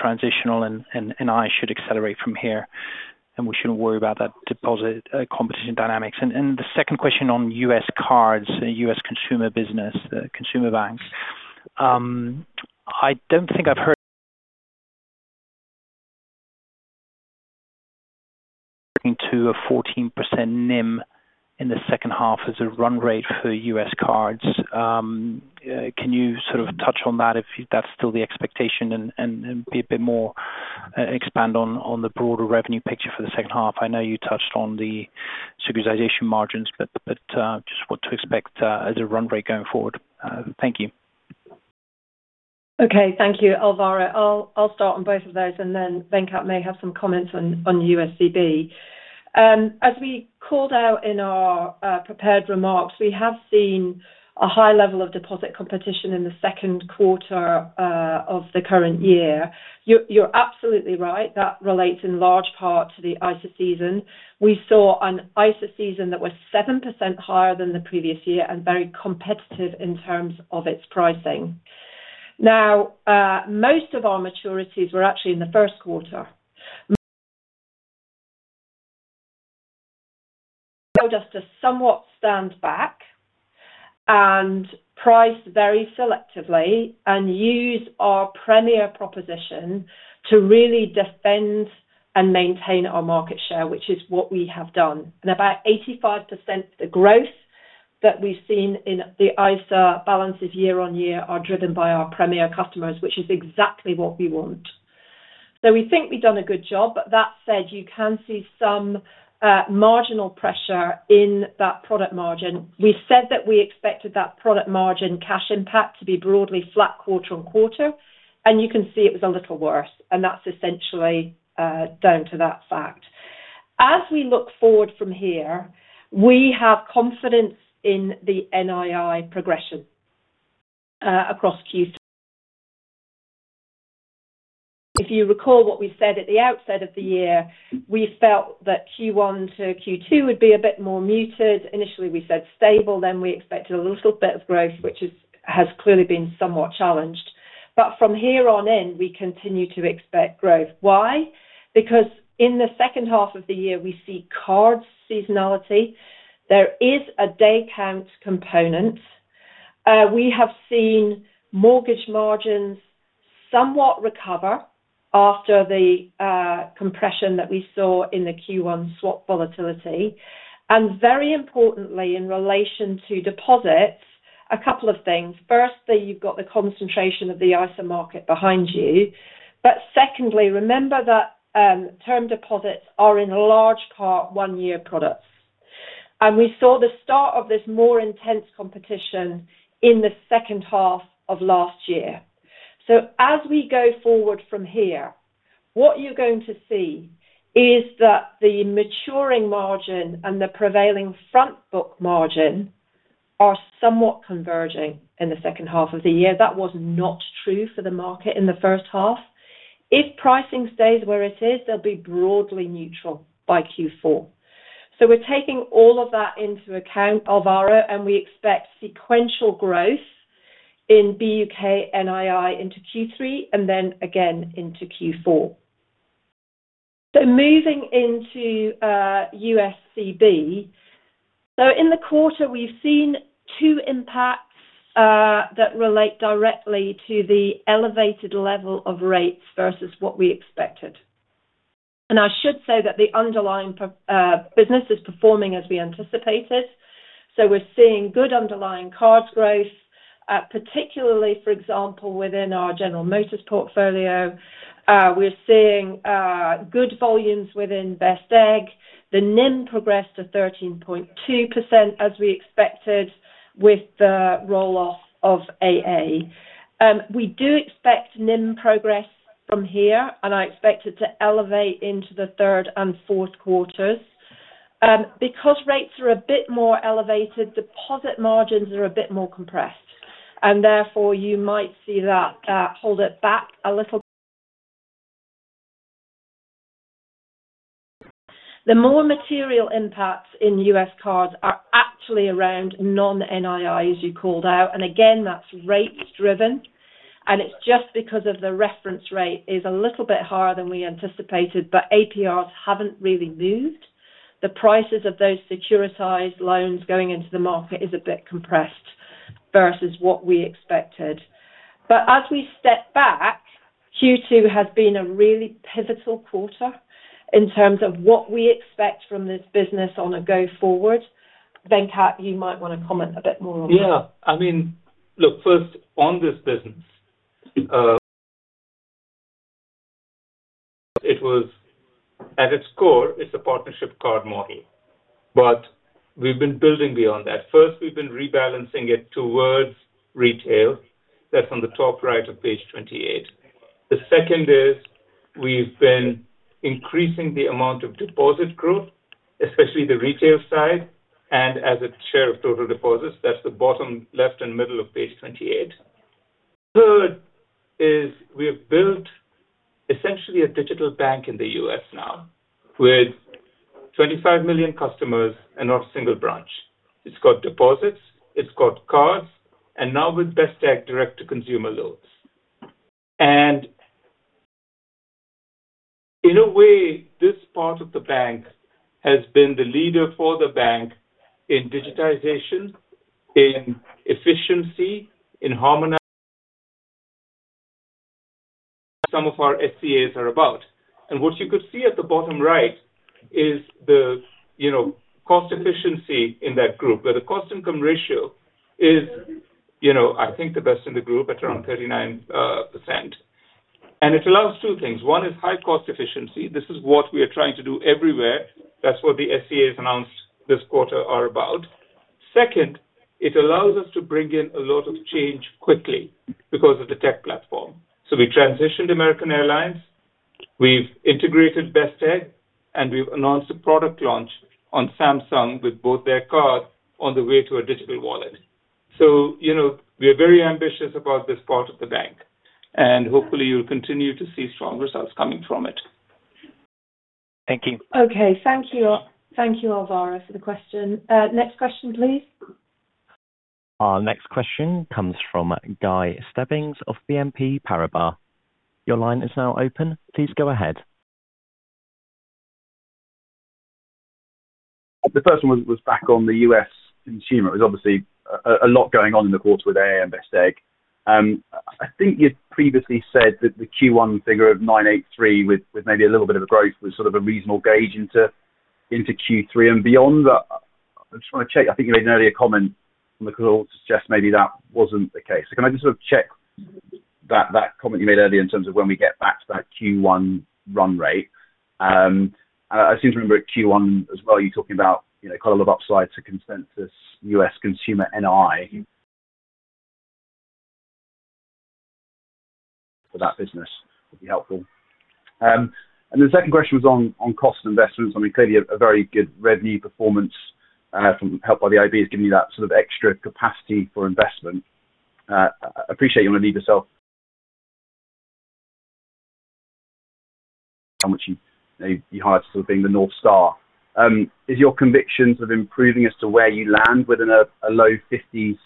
transitional and NII should accelerate from here, and we shouldn't worry about that deposit competition dynamics. The second question on U.S. cards, the U.S. consumer business, consumer banks. I don't think I've heard *inaudible* referring to a 14% NIM in the second half as a run rate for U.S. cards. Can you touch on that if that's still the expectation and be a bit more expand on the broader revenue picture for the second half? I know you touched on the [securitization] margins, but just what to expect as a run rate going forward. Thank you. Okay. Thank you, Alvaro. I'll start on both of those, and then Venkat may have some comments on USCB. As we called out in our prepared remarks, we have seen a high level of deposit competition in the second quarter of the current year. You're absolutely right, that relates in large part to the ISA season. We saw an ISA season that was 7% higher than the previous year and very competitive in terms of its pricing. Now, most of our maturities were actually in the first quarter. *inaudible* told us to somewhat stand back and price very selectively and use our Premier proposition to really defend and maintain our market share, which is what we have done. About 85% of the growth that we've seen in the ISA balances year-on-year are driven by our Premier customers, which is exactly what we want. We think we've done a good job. That said, you can see some marginal pressure in that product margin. We said that we expected that product margin cash impact to be broadly flat quarter-on-quarter, and you can see it was a little worse, and that's essentially down to that fact. As we look forward from here, we have confidence in the NII progression across. *inaudible* If you recall what we said at the outset of the year, we felt that Q1 to Q2 would be a bit more muted. Initially, we said stable, then we expected a little bit of growth, which has clearly been somewhat challenged. From here on in, we continue to expect growth. Why? Because in the second half of the year, we see card seasonality. There is a day count component. We have seen mortgage margins somewhat recover after the compression that we saw in the Q1 swap volatility. Very importantly, in relation to deposits, a couple of things. Firstly, you've got the concentration of the ISA market behind you. Secondly, remember that term deposits are, in large part, one-year products. We saw the start of this more intense competition in the second half of last year. As we go forward from here, what you're going to see is that the maturing margin and the prevailing front book margin are somewhat converging in the second half of the year. That was not true for the market in the first half. If pricing stays where it is, they'll be broadly neutral by Q4. We're taking all of that into account, Alvaro, and we expect sequential growth in BUK NII into Q3 and then again into Q4. Moving into USCB. In the quarter, we've seen two impacts that relate directly to the elevated level of rates versus what we expected. I should say that the underlying business is performing as we anticipated. We're seeing good underlying cards growth, particularly, for example, within our General Motors portfolio. We're seeing good volumes within Best Egg. The NIM progressed to 13.2%, as we expected, with the roll off of AA. We do expect NIM progress from here, and I expect it to elevate into the third and fourth quarters. Because rates are a bit more elevated, deposit margins are a bit more compressed, and therefore you might see that hold it back a little. The more material impacts in U.S. cards are actually around non-NIIs you called out, and again, that's rates driven, and it's just because of the reference rate is a little bit higher than we anticipated, but APRs haven't really moved. The prices of those securitized loans going into the market is a bit compressed versus what we expected. As we step back, Q2 has been a really pivotal quarter in terms of what we expect from this business on a go forward. Venkat, you might want to comment a bit more on that. Yeah. Look, first on this business, it was at its core, it's a partnership card. *inaudible* We've been building beyond that. First, we've been rebalancing it towards retail. That's on the top right of page 28. The second is we've been increasing the amount of deposit growth, especially the retail side, and as a share of total deposits. That's the bottom left and middle of page 28. Third is we have built essentially a digital bank in the U.S. now with 25 million customers and not a single branch. It's got deposits, it's got cards, and now with Best Egg direct-to-consumer loans. In a way, this part of the bank has been the leader for the bank in digitization, in efficiency, some of our SCAs are about. What you could see at the bottom right is the cost efficiency in that group, where the cost-income ratio is I think the best in the group at around 39%. It allows two things. One is high cost efficiency. This is what we are trying to do everywhere. That's what the SCAs announced this quarter are about. Second, it allows us to bring in a lot of change quickly because of the tech platform. We transitioned American Airlines, we've integrated Best Egg, and we've announced a product launch on Samsung with both their card on the way to a Samsung Wallet. We are very ambitious about this part of the bank, and hopefully you'll continue to see strong results coming from it. Thank you. Okay. Thank you, Alvaro, for the question. Next question, please. Our next question comes from Guy Stebbings of BNP Paribas. Your line is now open. Please go ahead. The first one was back on the US Consumer Bank. It was obviously a lot going on in the quarter with AA and Best Egg. I think you'd previously said that the Q1 figure of $983 with maybe a little bit of a growth was sort of a reasonable gauge into Q3 and beyond. I just want to check. I think you made an earlier comment on the call to suggest maybe that wasn't the case. Can I just sort of check that comment you made earlier in terms of when we get back to that Q1 run rate? I seem to remember at Q1 as well, you talking about quite a lot of upside to consensus US Consumer Bank NII for that business would be helpful. The second question was on cost investments. Clearly a very good revenue performance from help by the IB has given you that extra capacity for investment. I appreciate you want to leave yourself how much you hired sort of being the North Star. Is your conviction sort of improving as to where you land within a low 50s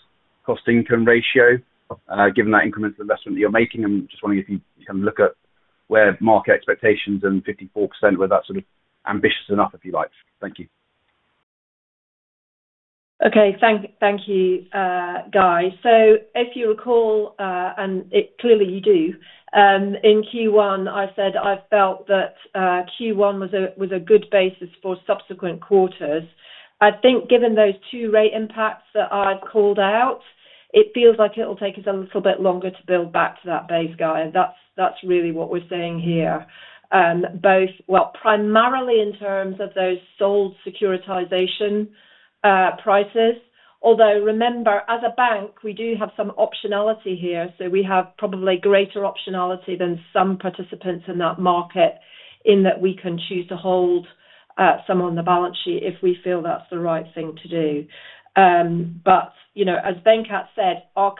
cost-income ratio given that incremental investment that you're making? I'm just wondering if you kind of look at where market expectations and 54%, were that sort of ambitious enough, if you like? Thank you. Okay. Thank you, Guy. If you recall, and clearly you do, in Q1 I said I felt that Q1 was a good basis for subsequent quarters. I think given those two rate impacts that I've called out, it feels like it'll take us a little bit longer to build back to that base, Guy. That's really what we're saying here. Well, primarily in terms of those sold securitization prices. Remember, as a bank, we do have some optionality here. We have probably greater optionality than some participants in that market in that we can choose to hold some on the balance sheet if we feel that's the right thing to do. As Venkat said, our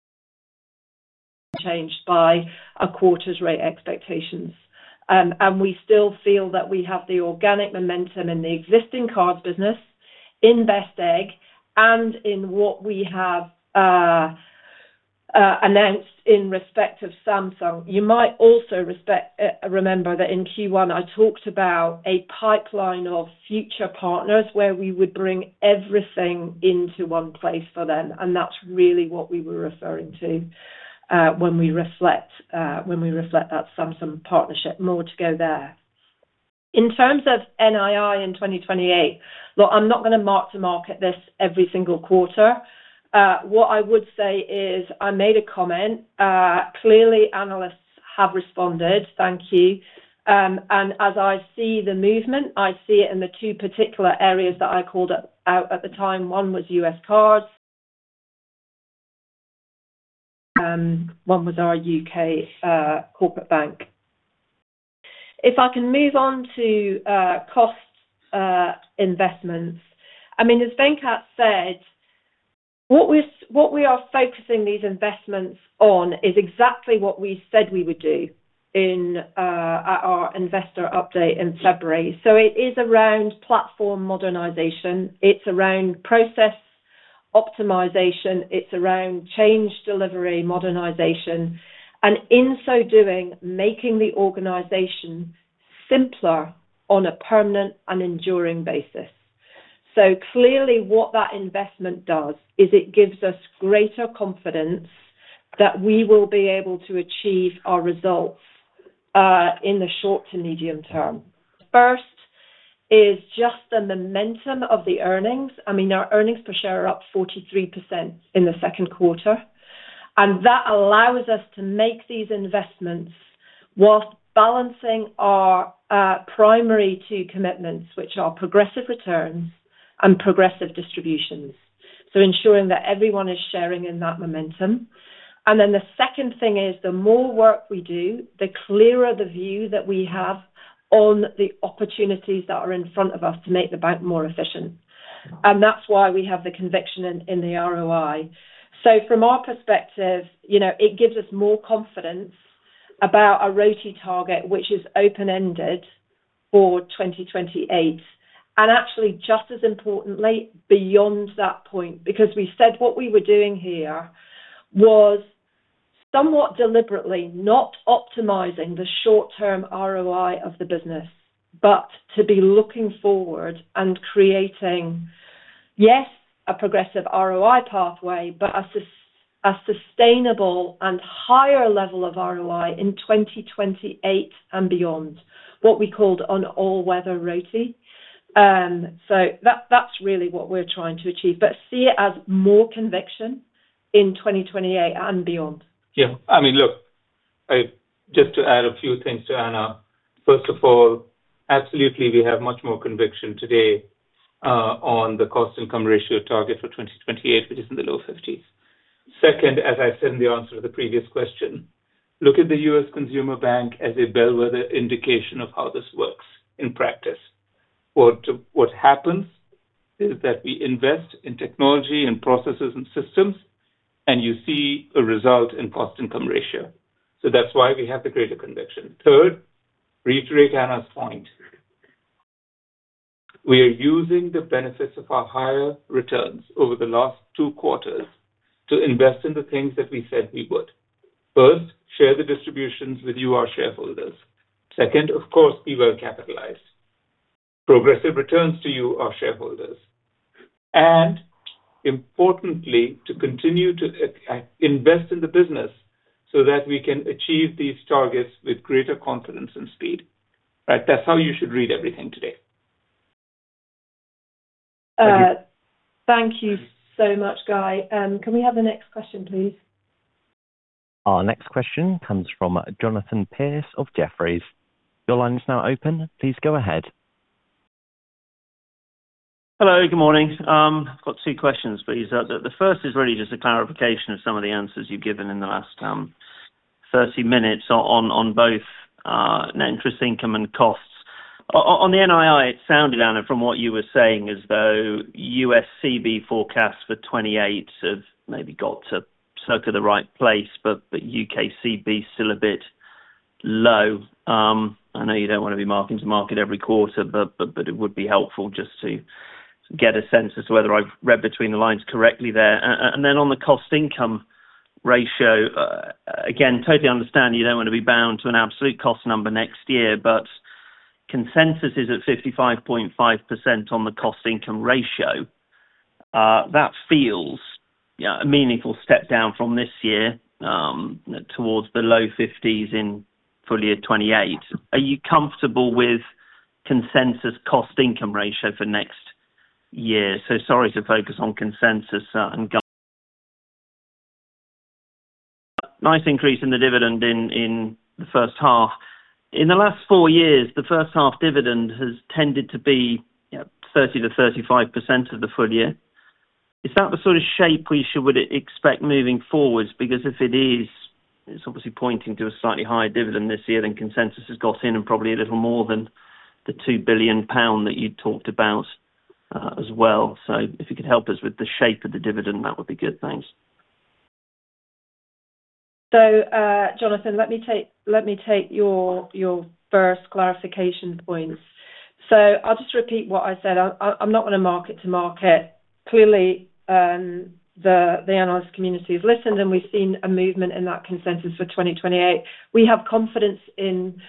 *inaudible* changed by a quarter's rate expectations. We still feel that we have the organic momentum in the existing cards business in Best Egg and in what we have announced in respect of Samsung. You might also remember that in Q1 I talked about a pipeline of future partners where we would bring everything into one place for them, and that's really what we were referring to when we reflect that Samsung partnership. More to go there. In terms of NII in 2028, look, I'm not going to mark to market this every single quarter. What I would say is, I made a comment. Clearly, analysts have responded. Thank you. As I see the movement, I see it in the two particular areas that I called out at the time. One was U.S. cards, and one was our UK Corporate Bank. If I can move on to cost investments. As Venkat said, what we are focusing these investments on is exactly what we said we would do at our investor update in February. It is around platform modernization, it's around process optimization, it's around change delivery modernization, and in so doing, making the organization simpler on a permanent and enduring basis. Clearly what that investment does is it gives us greater confidence that we will be able to achieve our results, in the short to medium term. First is just the momentum of the earnings. Our EPS are up 43% in the second quarter, and that allows us to make these investments whilst balancing our primary two commitments, which are progressive returns and progressive distributions. So ensuring that everyone is sharing in that momentum. The second thing is, the more work we do, the clearer the view that we have on the opportunities that are in front of us to make the bank more efficient. That's why we have the conviction in the ROI. From our perspective, it gives us more confidence about a RoTE target, which is open-ended for 2028, and actually, just as importantly, beyond that point. Because we said what we were doing here was somewhat deliberately not optimizing the short-term ROI of the business, but to be looking forward and creating, yes, a progressive ROI pathway, but a sustainable and higher level of ROI in 2028 and beyond, what we called an all-weather RoTE. That's really what we're trying to achieve, but see it as more conviction in 2028 and beyond. Just to add a few things to Anna. Absolutely we have much more conviction today on the cost-income ratio target for 2028, which is in the low 50s. As I said in the answer to the previous question, look at the US Consumer Bank as a bellwether indication of how this works in practice. What happens is that we invest in technology and processes and systems, and you see a result in cost-income ratio. That's why we have the greater conviction. To reiterate Anna's point. We are using the benefits of our higher returns over the last two quarters to invest in the things that we said we would. Share the distributions with you, our shareholders. Of course, we will capitalize progressive returns to you, our shareholders. Importantly, to continue to invest in the business so that we can achieve these targets with greater confidence and speed. That's how you should read everything today. Thank you so much, Guy. Can we have the next question, please? Our next question comes from Jonathan Pierce of Jefferies. Your line is now open. Please go ahead. Hello, good morning. I've got two questions, please. The first is really just a clarification of some of the answers you've given in the last 30 minutes on both net interest income and costs. On the NII, it sounded, Anna, from what you were saying, as though USCB forecasts for 2028 have maybe got to circa the right place, but UKCB still a bit low. I know you don't want to be marking to market every quarter, but it would be helpful just to get a sense as to whether I've read between the lines correctly there. Then on the cost-income ratio, again, totally understand you don't want to be bound to an absolute cost number next year, but consensus is at 55.5% on the cost-income ratio. That feels a meaningful step down from this year, towards the low 50s in full year 2028. Are you comfortable with consensus cost-income ratio for next year? Sorry to focus on consensus and *inaudible* nice increase in the dividend in the first half. In the last four years, the first half dividend has tended to be 30%-35% of the full year. Is that the sort of shape we should expect moving forward? If it is, it's obviously pointing to a slightly higher dividend this year than consensus has got in, and probably a little more than the 2 billion pound that you'd talked about as well. If you could help us with the shape of the dividend, that would be good. Thanks. Jonathan, let me take your first clarification points. I'll just repeat what I said. I'm not going to mark to market. Clearly, the analyst community has listened, and we've seen a movement in that consensus for 2028. We have confidence in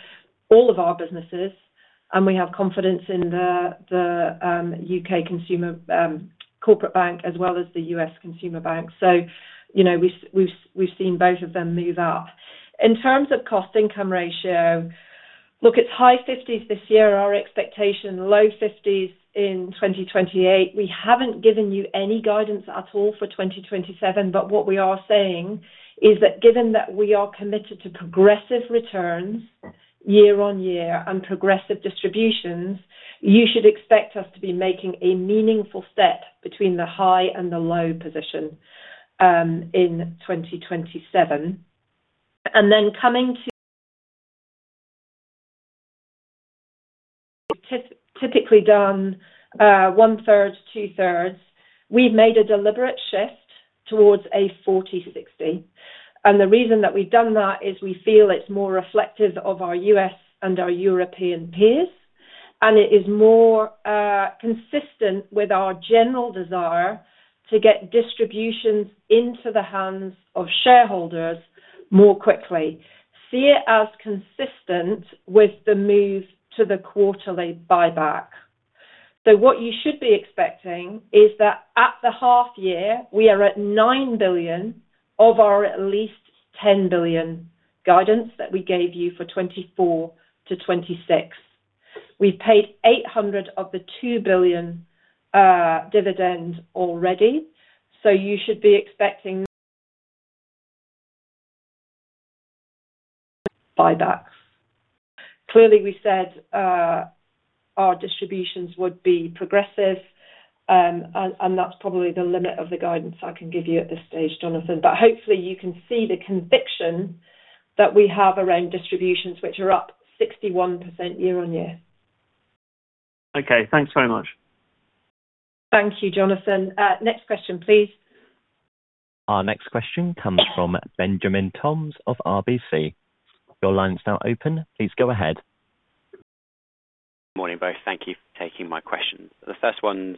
all of our businesses, and we have confidence in the UK Corporate Bank as well as the US Consumer Bank. In terms of cost-income ratio, look, it's high 50s this year, our expectation, low 50s in 2028. We haven't given you any guidance at all for 2027. What we are saying is that given that we are committed to progressive returns year-on-year and progressive distributions, you should expect us to be making a meaningful step between the high and the low position in 2027. Coming to *inaudible* typically done one third, two thirds. We've made a deliberate shift towards a 40/60. The reason that we've done that is we feel it's more reflective of our U.S. and our European peers, and it is more consistent with our general desire to get distributions into the hands of shareholders more quickly. See it as consistent with the move to the quarterly buyback. What you should be expecting is that at the half year, we are at 9 billion of our at least 10 billion guidance that we gave you for 2024 to 2026. We paid 800 million of the 2 billion dividend already, so you should be expecting *inaudible* buybacks. Clearly, we said our distributions would be progressive, and that's probably the limit of the guidance I can give you at this stage, Jonathan. Hopefully you can see the conviction that we have around distributions, which are up 61% year-on-year. Okay, thanks very much. Thank you, Jonathan. Next question, please. Our next question comes from Benjamin Toms of RBC. Your line is now open. Please go ahead. Morning, both. Thank you for taking my questions. The first one's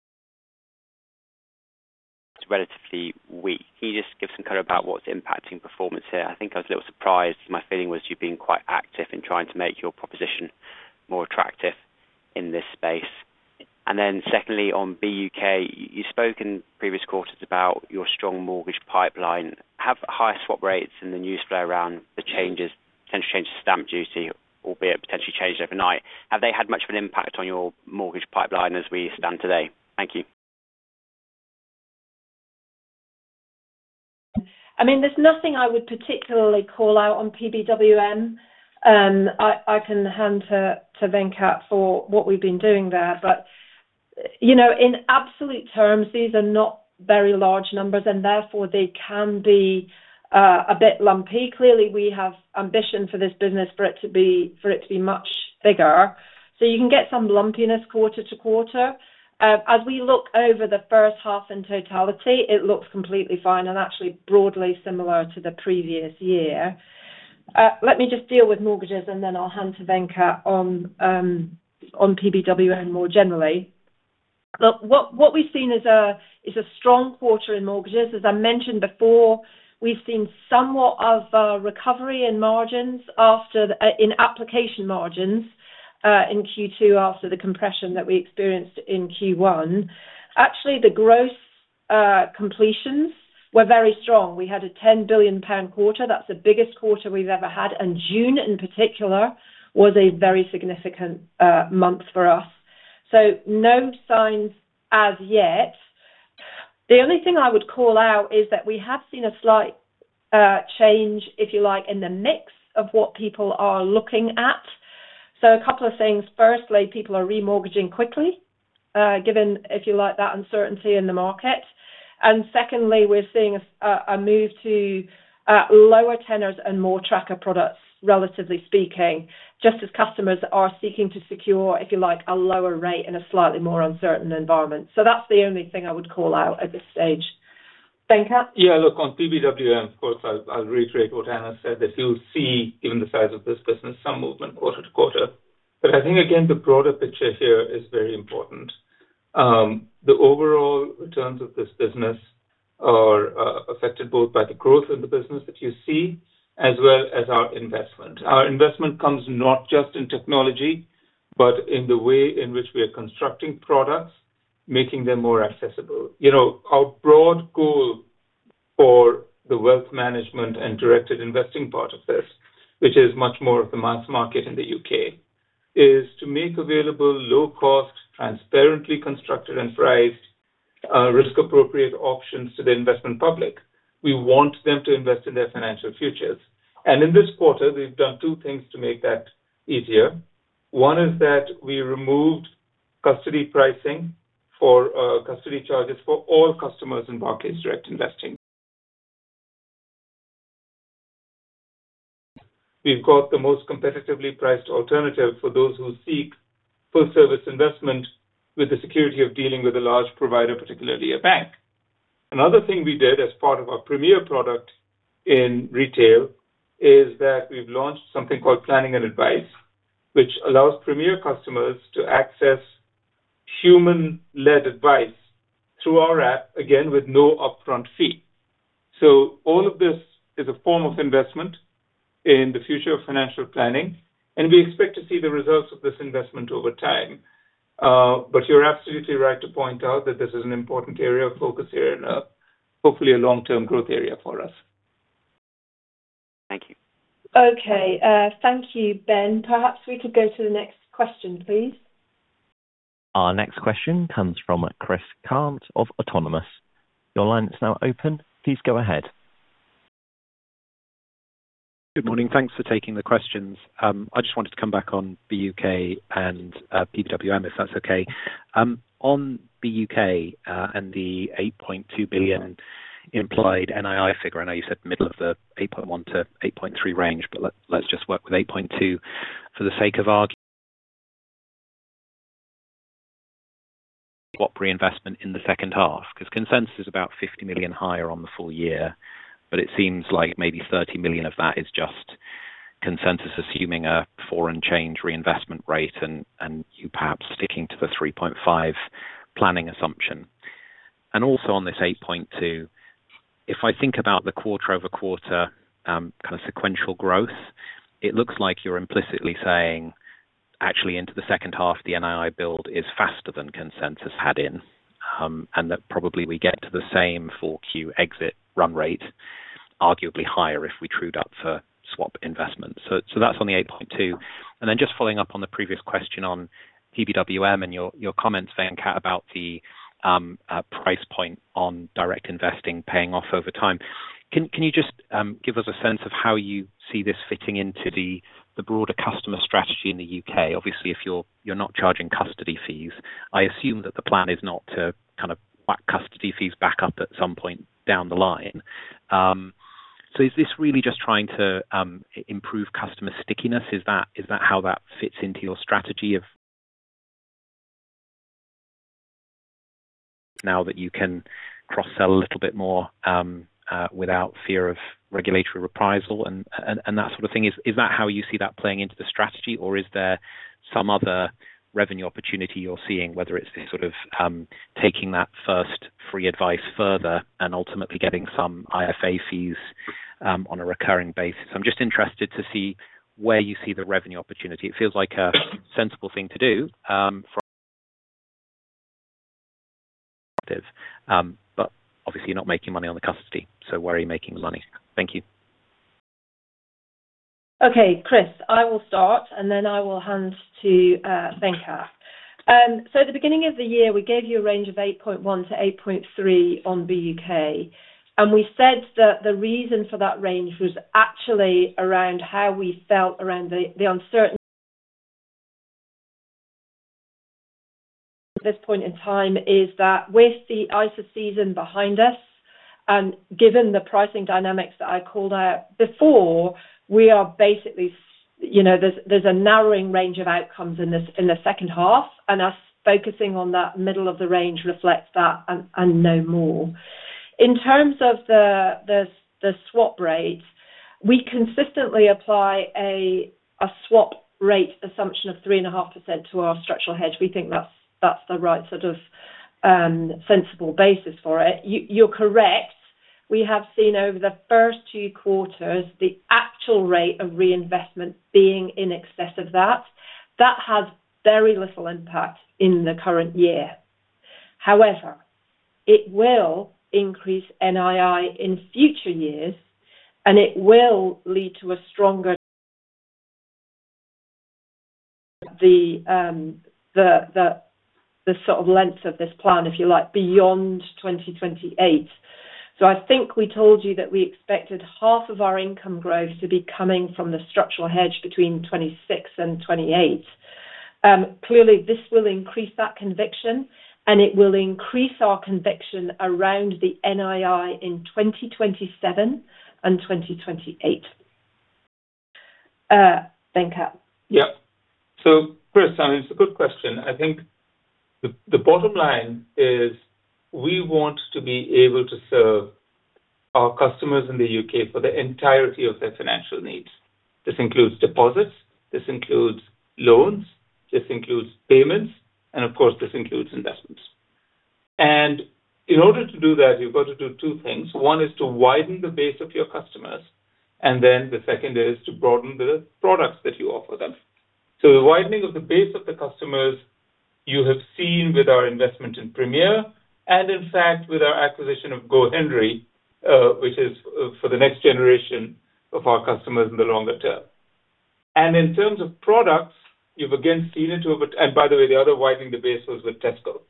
*inaudible* relatively weak. Can you just give some color about what's impacting performance here? I think I was a little surprised. My feeling was you're being quite active in trying to make your proposition more attractive in this space. Secondly, on BUK, you've spoken previous quarters about your strong mortgage pipeline. Have higher swap rates and the news flow around the changes, potential changes to stamp duty, albeit potentially changed overnight. Have they had much of an impact on your mortgage pipeline as we stand today? Thank you. There's nothing I would particularly call out on PBWM. I can hand to Venkat for what we've been doing there, but in absolute terms, these are not very large numbers, and therefore they can be a bit lumpy. Clearly, we have ambition for this business for it to be much bigger, so you can get some lumpiness quarter to quarter. As we look over the first half in totality, it looks completely fine and actually broadly similar to the previous year. Let me just deal with mortgages and then I'll hand to Venkat on PBWM more generally. Look, what we've seen is a strong quarter in mortgages. As I mentioned before, we've seen somewhat of a recovery in margins in application margins, in Q2 after the compression that we experienced in Q1. Actually, the gross completions were very strong. We had a 10 billion pound quarter. That's the biggest quarter we've ever had. June in particular was a very significant month for us. No signs as yet. The only thing I would call out is that we have seen a slight change, if you like, in the mix of what people are looking at. A couple of things. Firstly, people are remortgaging quickly, given, if you like, that uncertainty in the market. Secondly, we're seeing a move to lower tenors and more tracker products, relatively speaking, just as customers are seeking to secure, if you like, a lower rate in a slightly more uncertain environment. That's the only thing I would call out at this stage. Venkat? Yeah, look, on PBWM, of course, I'll reiterate what Anna said, that you'll see, given the size of this business, some movement quarter-to-quarter. I think, again, the broader picture here is very important. The overall returns of this business are affected both by the growth in the business that you see, as well as our investment. Our investment comes not just in technology, but in the way in which we are constructing products, making them more accessible. Our broad goal for the wealth management and directed investing part of this, which is much more of the mass market in the U.K., is to make available low cost, transparently constructed and priced, risk-appropriate options to the investment public. We want them to invest in their financial futures. In this quarter, we've done two things to make that easier. One is that we removed custody pricing for custody charges for all customers in Barclays Direct Investing. We've got the most competitively priced alternative for those who seek full service investment with the security of dealing with a large provider, particularly a bank. Another thing we did as part of our Premier product in retail is that we've launched something called Planning and Advice, which allows Premier customers to access human-led advice through our app, again, with no upfront fee. All of this is a form of investment in the future of financial planning. We expect to see the results of this investment over time. You're absolutely right to point out that this is an important area of focus here and a hopefully a long-term growth area for us. Thank you. Okay. Thank you, Ben. Perhaps we could go to the next question, please. Our next question comes from Chris Cant of Autonomous. Your line is now open. Please go ahead. Good morning. Thanks for taking the questions. I just wanted to come back on the U.K. and PBWM, if that's okay. On the U.K. and the 8.2 billion implied NII figure, I know you said middle of the 8.1 billion-8.3 billion range, let's just work with 8.2 billion for the sake of *inaudible* swap reinvestment in the second half, because consensus is about 50 million higher on the full-year. It seems like maybe 30 million of that is just consensus assuming a foreign exchange reinvestment rate and you perhaps sticking to the 3.5% planning assumption. Also on this 8.2 billion, if I think about the quarter-over-quarter kind of sequential growth, it looks like you're implicitly saying actually into the second half, the NII build is faster than consensus had in, that probably we get to the same 4Q exit run rate, arguably higher if we trued up for swap investments. That's on the 8.2 billion. Then just following up on the previous question on PBWM and your comments, Venkat, about the price point on Barclays Direct Investing paying off over time. Can you just give us a sense of how you see this fitting into the broader customer strategy in the U.K.? Obviously, if you're not charging custody fees, I assume that the plan is not to kind of whack custody fees back up at some point down the line. Is this really just trying to improve customer stickiness? Is that how that fits into your strategy of *inaudible* now that you can cross sell a little bit more without fear of regulatory reprisal and that sort of thing. Is that how you see that playing into the strategy, or is there some other revenue opportunity you're seeing, whether it is the sort of taking that first free advice further and ultimately getting some IFA fees on a recurring basis. I am just interested to see where you see the revenue opportunity. It feels like a sensible thing to do, but obviously you are not making money on the custody, so where are you making the money? Thank you. Okay, Chris, I will start, and then I will hand to Venkat. At the beginning of the year, we gave you a range of 8.1 billion-8.3 billion on the U.K., and we said that the reason for that range was actually around how we felt around the uncertainty. *inaudible* At this point in time is that with the ISA season behind us and given the pricing dynamics that I called out before, we are basically—there is a narrowing range of outcomes in the second half and us focusing on that middle of the range reflects that and no more. In terms of the swap rates, we consistently apply a swap rate assumption of 3.5% to our structural hedge. We think that is the right sort of sensible basis for it. You are correct. We have seen over the first two quarters the actual rate of reinvestment being in excess of that. That has very little impact in the current year. However, it will increase NII in future years, and it will lead to a stronger length of this plan, if you like, beyond 2028. I think we told you that we expected half of our income growth to be coming from the structural hedge between 2026 and 2028. Clearly, this will increase that conviction, and it will increase our conviction around the NII in 2027 and 2028. Venkat. Chris, it is a good question. I think the bottom line is we want to be able to serve our customers in the U.K. for the entirety of their financial needs. This includes deposits, this includes loans, this includes payments, and of course, this includes investments. In order to do that, you have got to do two things. One is to widen the base of your customers, and then the second is to broaden the products that you offer them. The widening of the base of the customers, you have seen with our investment in Premier and in fact with our acquisition of GoHenry, which is for the next generation of our customers in the longer term. In terms of products, you have again seen it. By the way, the other widening the base was with Tesco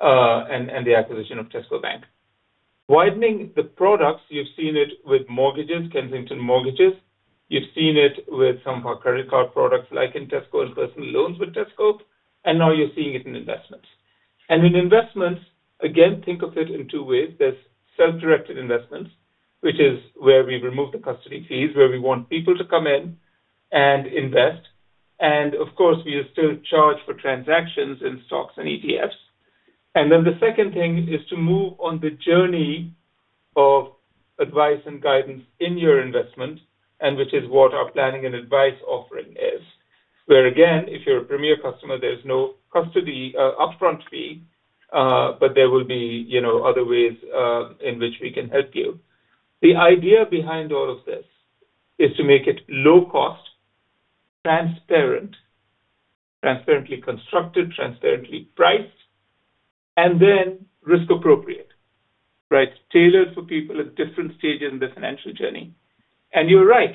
and the acquisition of Tesco Bank. Widening the products, you've seen it with mortgages, Kensington Mortgages, you've seen it with some of our credit card products like in Tesco and personal loans with Tesco, now you're seeing it in investments. In investments, again, think of it in two ways. There's self-directed investments, which is where we remove the custody fees, where we want people to come in and invest. Of course, we still charge for transactions in stocks and ETFs. The second thing is to move on the journey of advice and guidance in your investment, which is what our Planning and Advice offering is. Where again, if you're a Premier customer, there's no custody upfront fee, but there will be other ways in which we can help you. The idea behind all of this is to make it low cost, transparently constructed, transparently priced, and then risk appropriate. Tailored for people at different stages in their financial journey. You're right,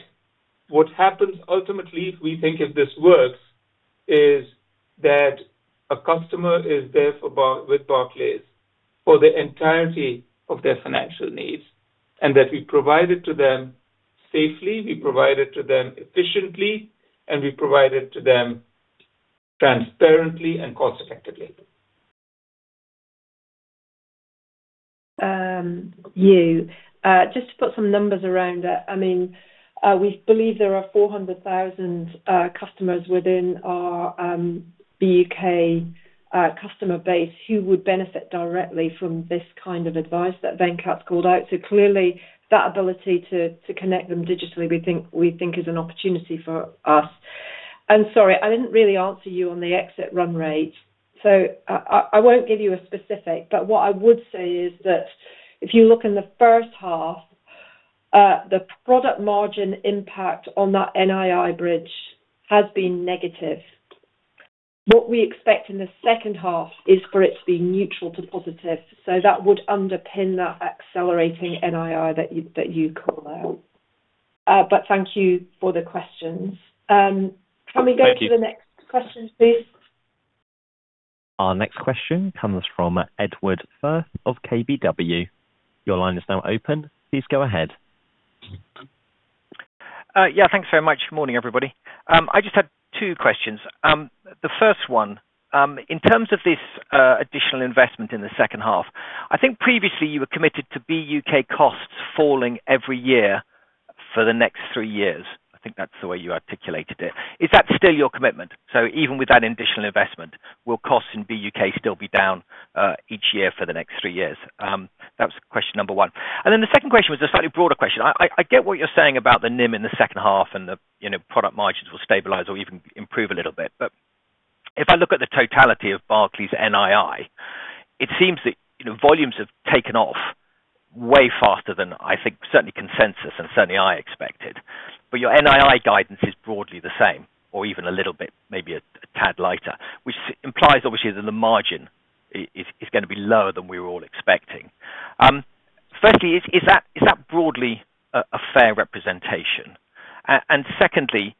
what happens ultimately, if we think if this works, is that a customer is there with Barclays for the entirety of their financial needs, that we provide it to them safely, we provide it to them efficiently, and we provide it to them transparently and cost effectively. Just to put some numbers around it, we believe there are 400,000 customers within our BUK customer base who would benefit directly from this kind of advice that Venkat called out. Clearly, that ability to connect them digitally, we think is an opportunity for us. Sorry, I didn't really answer you on the exit run rate. I won't give you a specific, but what I would say is that if you look in the first half, the product margin impact on that NII bridge has been negative. What we expect in the second half is for it to be neutral to positive. That would underpin that accelerating NII that you call out. Thank you for the questions. Can we go to the next question, please? Our next question comes from Edward Firth of KBW. Your line is now open. Please go ahead. Yeah, thanks very much. Morning, everybody. I just had two questions. The first one, in terms of this additional investment in the second half, I think previously you were committed to BUK costs falling every year for the next three years. I think that's the way you articulated it. Is that still your commitment? So even with that additional investment, will costs in BUK still be down each year for the next three years? That was question number one. Then the second question was a slightly broader question. I get what you're saying about the NIM in the second half and the product margins will stabilize or even improve a little bit. If I look at the totality of Barclays NII, it seems that volumes have taken off way faster than I think, certainly consensus and certainly I expected. Your NII guidance is broadly the same, or even a little bit, maybe a tad lighter, which implies obviously that the margin is going to be lower than we were all expecting. Firstly, is that broadly a fair representation? Secondly,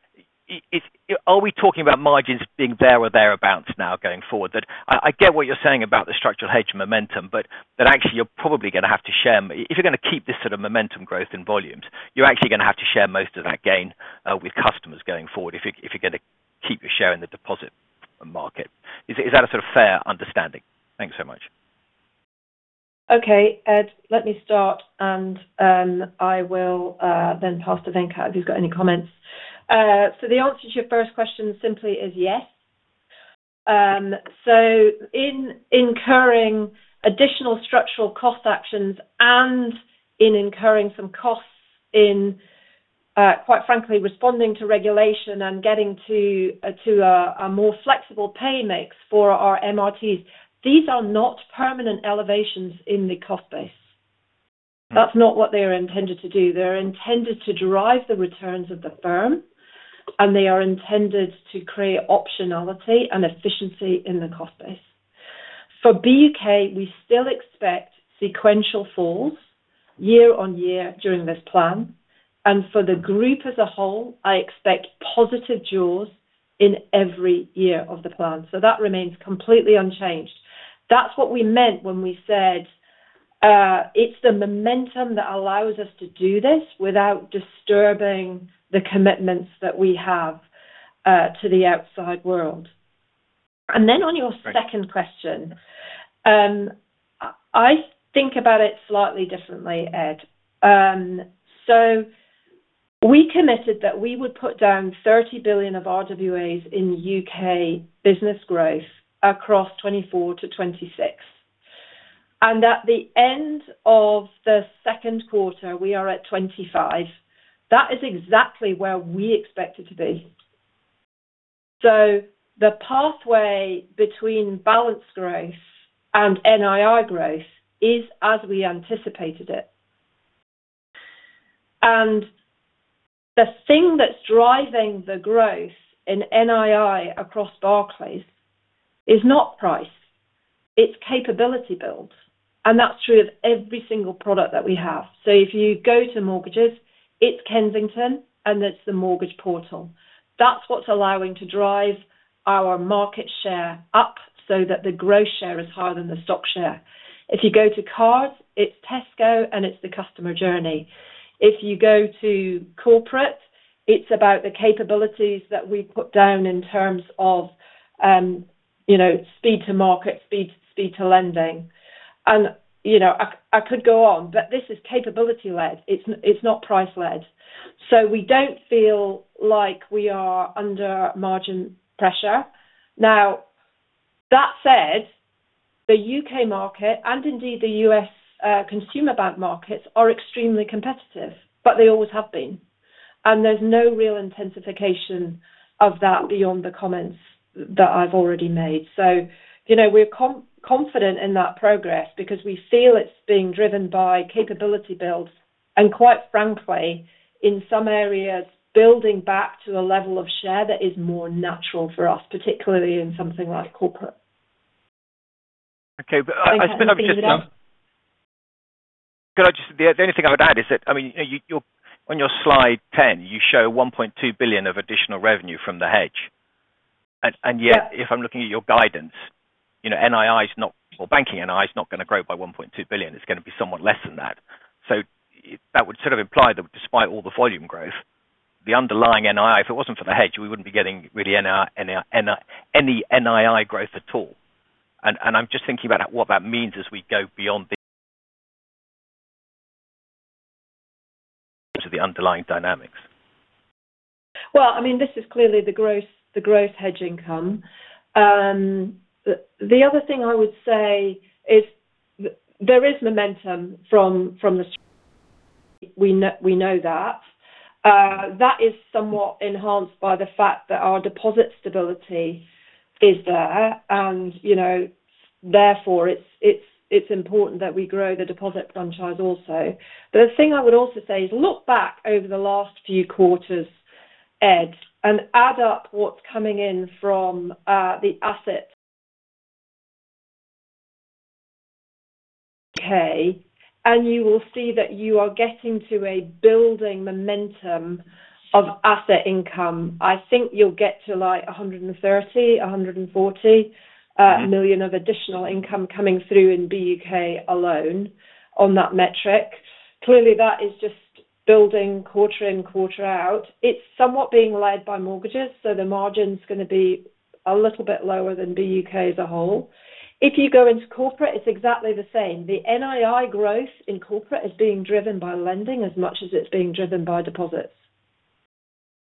are we talking about margins being there or thereabouts now going forward? That I get what you're saying about the structural hedge momentum, but actually you're probably going to have to share, if you're going to keep this sort of momentum growth in volumes, you're actually going to have to share most of that gain with customers going forward, if you're going to keep your share in the deposit market. Is that a sort of fair understanding? Thanks so much. Okay, Ed, let me start. I will then pass to Venkat if he's got any comments. The answer to your first question simply is yes. In incurring additional structural cost actions and in incurring some costs in, quite frankly, responding to regulation and getting to a more flexible pay mix for our MRTs, these are not permanent elevations in the cost base. That's not what they are intended to do. They're intended to drive the returns of the firm, and they are intended to create optionality and efficiency in the cost base. For BUK, we still expect sequential falls year-on-year during this plan. For the group as a whole, I expect positive jaws in every year of the plan. That remains completely unchanged. That's what we meant when we said, it's the momentum that allows us to do this without disturbing the commitments that we have to the outside world. Then on your second question, I think about it slightly differently, Ed. We committed that we would put down 30 billion of RWAs in U.K. business growth across 2024 to 2026. At the end of the second quarter, we are at 25 billion. That is exactly where we expect it to be. The pathway between balance growth and NII growth is as we anticipated it. The thing that's driving the growth in NII across Barclays is not price, it's capability build. That's true of every single product that we have. If you go to mortgages, it's Kensington and it's the mortgage portal. That's what's allowing to drive our market share up so that the growth share is higher than the stock share. If you go to cars, it's Tesco and it's the customer journey. If you go to corporate, it's about the capabilities that we put down in terms of speed to market, speed to lending. I could go on, but this is capability led. It's not price led. We don't feel like we are under margin pressure. Now, that said, the U.K. market and indeed the US Consumer Bank markets are extremely competitive, but they always have been. There's no real intensification of that beyond the comments that I've already made. We're confident in that progress because we feel it's being driven by capability builds. Quite frankly, in some areas, building back to a level of share that is more natural for us, particularly in something like corporate. Okay. I— Venkat, did you need it up? The only thing I would add is that on your slide 10, you show 1.2 billion of additional revenue from the hedge. Yet, if I'm looking at your guidance, NII is not—well, banking NII is not going to grow by 1.2 billion. It's going to be somewhat less than that. That would imply that despite all the volume growth, the underlying NII, if it wasn't for the hedge, we wouldn't be getting really any NII growth at all. I'm just thinking about what that means as we go beyond the underlying dynamics. Well, this is clearly the growth hedge income. The other thing I would say is there is momentum from the. We know that. That is somewhat enhanced by the fact that our deposit stability is there, and therefore, it's important that we grow the deposit franchise also. The thing I would also say is look back over the last few quarters, Ed, and add up what's coming in from the asset *inaudible* and you will see that you are getting to a building momentum of asset income. I think you'll get to 130 million, 140 million of additional income coming through in BUK alone on that metric. Clearly, that is just building quarter in, quarter out. It's somewhat being led by mortgages, so the margin's going to be a little bit lower than BUK as a whole. If you go into corporate, it's exactly the same. The NII growth in corporate is being driven by lending as much as it's being driven by deposits.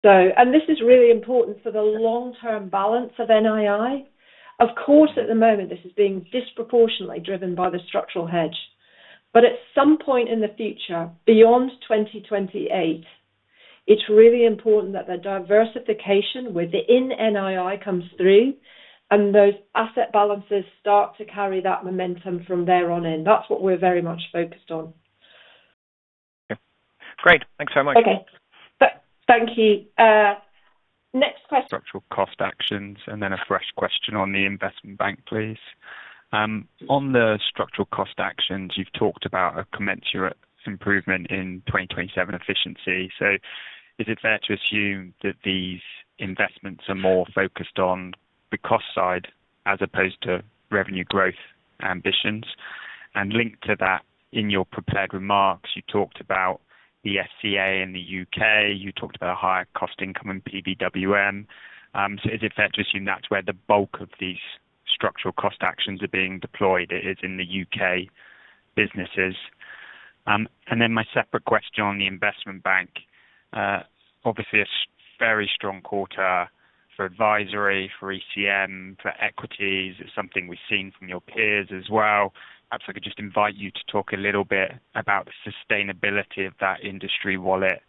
This is really important for the long-term balance of NII. Of course, at the moment, this is being disproportionately driven by the structural hedge. At some point in the future, beyond 2028, it's really important that the diversification within NII comes through and those asset balances start to carry that momentum from there on in. That's what we're very much focused on. Great. Thanks very much. Okay. Thank you. Next question. Structural cost actions. A fresh question on the Investment Bank, please. On the structural cost actions, you've talked about a commensurate improvement in 2027 efficiency. Is it fair to assume that these investments are more focused on the cost side as opposed to revenue growth ambitions? Linked to that, in your prepared remarks, you talked about the SCA in the U.K., you talked about higher cost income in PBWM. Is it fair to assume that's where the bulk of these structural cost actions are being deployed, it is in the U.K. businesses? My separate question on the Investment Bank. Obviously, a very strong quarter for advisory, for ECM, for equities. It's something we've seen from your peers as well. Perhaps I could just invite you to talk a little bit about the sustainability of that industry wallet.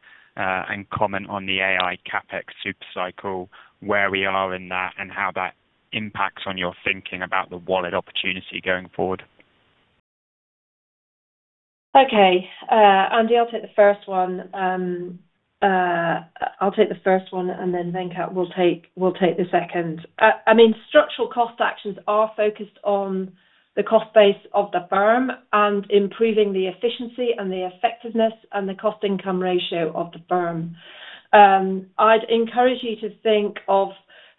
Comment on the AI CapEx super cycle, where we are in that, and how that impacts on your thinking about the wallet opportunity going forward. Okay. Andy, I'll take the first one. I'll take the first one. Venkat will take the second. Structural cost actions are focused on the cost base of the firm and improving the efficiency and the effectiveness and the cost-income ratio of the firm. I'd encourage you to think of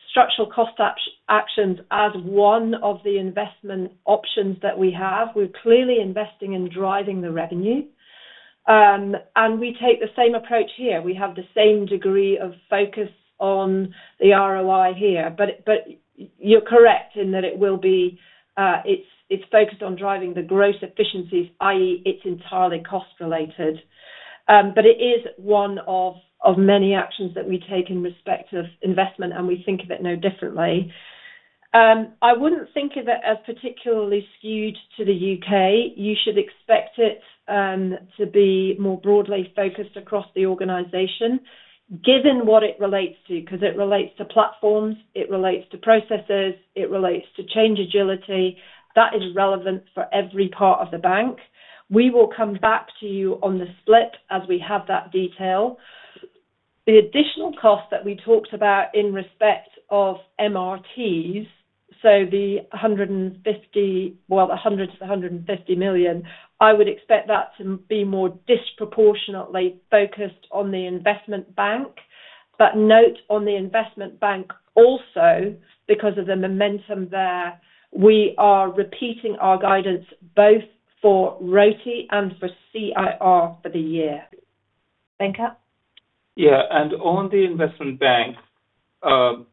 structural cost actions as one of the investment options that we have. We're clearly investing in driving the revenue. We take the same approach here. We have the same degree of focus on the ROI here. You're correct in that it's focused on driving the growth efficiencies, i.e., it's entirely cost related. It is one of many actions that we take in respect of investment, and we think of it no differently. I wouldn't think of it as particularly skewed to the U.K. You should expect it to be more broadly focused across the organization. Given what it relates to, because it relates to platforms, it relates to processes, it relates to change agility. That is relevant for every part of the bank. We will come back to you on the split as we have that detail. The additional cost that we talked about in respect of MRTs, so the 100 million-150 million, I would expect that to be more disproportionately focused on the Investment Bank. Note on the Investment Bank also, because of the momentum there, we are repeating our guidance both for RoTE and for CIR for the year. Venkat? Yeah. On the Investment Bank,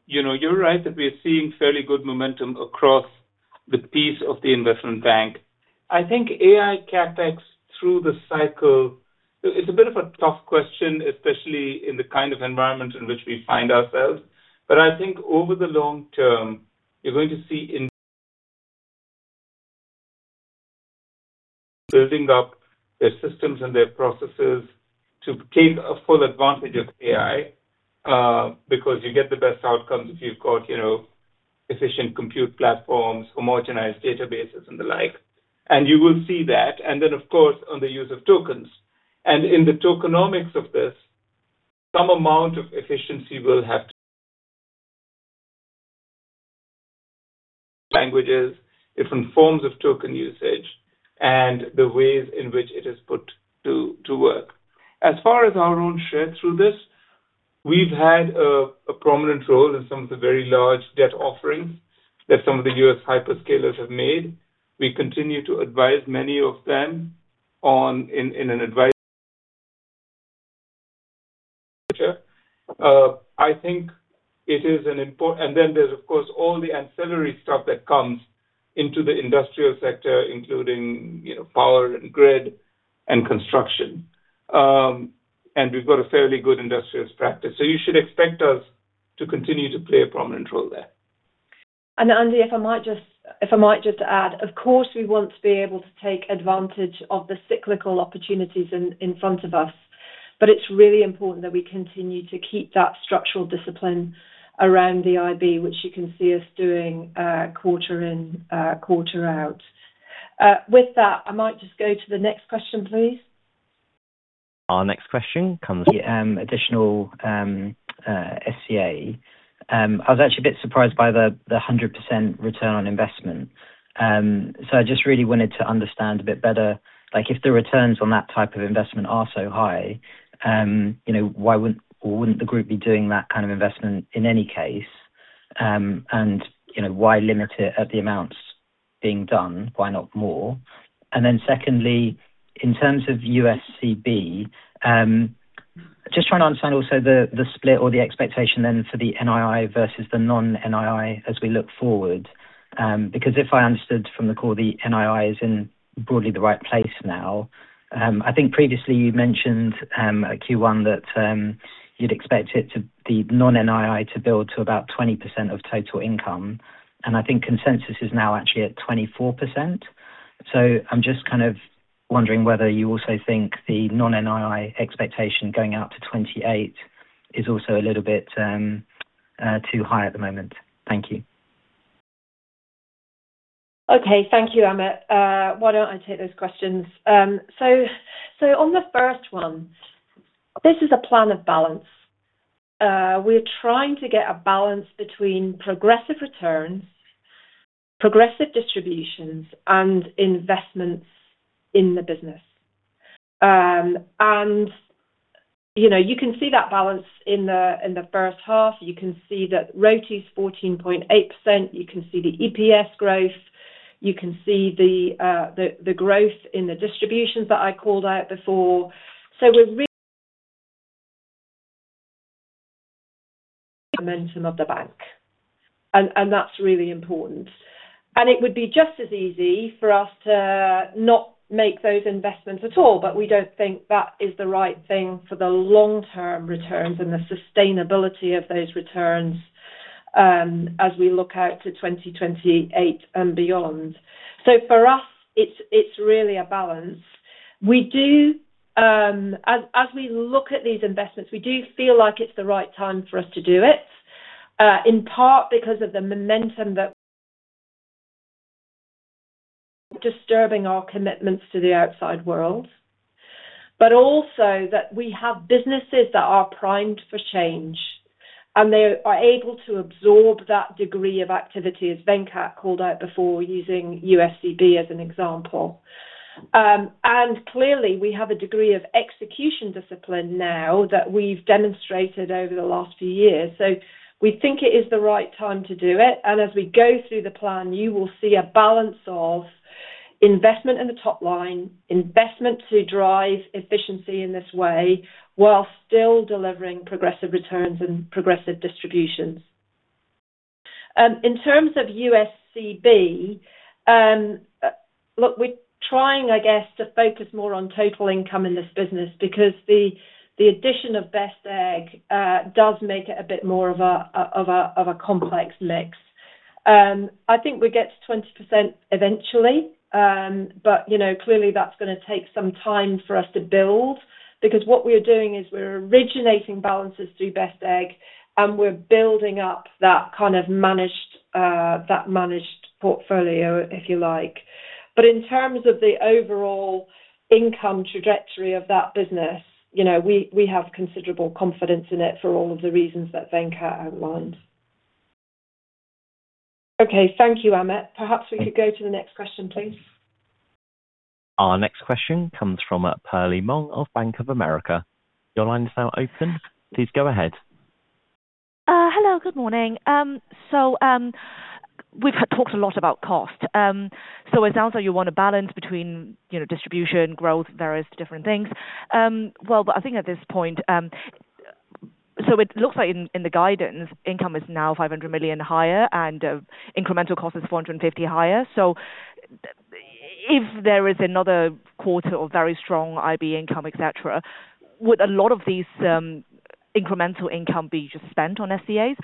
you're right that we are seeing fairly good momentum across the piece of the Investment Bank. I think AI CapEx through the cycle, it's a bit of a tough question, especially in the kind of environment in which we find ourselves. I think over the long term, you're going to see in building up their systems and their processes to take a full advantage of AI, because you get the best outcomes if you've got efficient compute platforms, homogenized databases, and the like. You will see that. Then, of course, on the use of tokens. In the tokenomics of this, some amount of efficiency will have to *inaudible* languages, different forms of token usage, and the ways in which it is put to work. As far as our own share through this, we've had a prominent role in some of the very large debt offerings that some of the U.S. hyperscalers have made. We continue to advise many of them. Then there's, of course, all the ancillary stuff that comes into the industrial sector, including power and grid and construction. We've got a fairly good industrious practice. You should expect us to continue to play a prominent role there. Andy, if I might just add. Of course, we want to be able to take advantage of the cyclical opportunities in front of us. It's really important that we continue to keep that structural discipline around the IB, which you can see us doing quarter in, quarter out. With that, I might just go to the next question, please. Our next question comes— The additional SCA. I was actually a bit surprised by the 100% return on investment. I just really wanted to understand a bit better, if the returns on that type of investment are so high, why wouldn't the group be doing that kind of investment in any case? Why limit it at the amounts being done, why not more? Secondly, in terms of USCB, just trying to understand also the split or the expectation then for the NII versus the non-NII as we look forward. If I understood from the call, the NII is in broadly the right place now. I think previously you mentioned at Q1 that you'd expect the non-NII to build to about 20% of total income, and I think consensus is now actually at 24%. I'm just kind of wondering whether you also think the non-NII expectation going out to 2028 is also a little bit too high at the moment. Thank you. Okay. Thank you, Amit. Why don't I take those questions? On the first one, this is a plan of balance. We're trying to get a balance between progressive returns, progressive distributions, and investments in the business. You can see that balance in the first half. You can see that RoTE is 14.8%. You can see the EPS growth. You can see the growth in the distributions that I called out before. We're *inaudible* momentum of the bank, and that's really important. It would be just as easy for us to not make those investments at all, but we don't think that is the right thing for the long-term returns and the sustainability of those returns as we look out to 2028 and beyond. For us, it's really a balance. As we look at these investments, we do feel like it's the right time for us to do it, in part because of the momentum that, disturbing our commitments to the outside world. Also that we have businesses that are primed for change, and they are able to absorb that degree of activity, as Venkat called out before, using USCB as an example. Clearly, we have a degree of execution discipline now that we've demonstrated over the last few years. We think it is the right time to do it, and as we go through the plan, you will see a balance of investment in the top line, investment to drive efficiency in this way, whilst still delivering progressive returns and progressive distributions. In terms of USCB, look, we're trying, I guess, to focus more on total income in this business because the addition of Best Egg does make it a bit more of a complex mix. I think we get to 20% eventually, but clearly that's going to take some time for us to build. Because what we're doing is we're originating balances through Best Egg, and we're building up that managed portfolio, if you like. In terms of the overall income trajectory of that business, we have considerable confidence in it for all of the reasons that Venkat outlined. Okay. Thank you, Amit. Perhaps we could go to the next question, please. Our next question comes from Perlie Mong of Bank of America. Your line is now open. Please go ahead. Hello. Good morning. We've talked a lot about cost. It sounds like you want a balance between distribution, growth, various different things. Well, I think at this point, it looks like in the guidance, income is now 500 million higher and incremental cost is 450 million higher. If there is another quarter of very strong IB income, et cetera, would a lot of these incremental income be just spent on SCAs?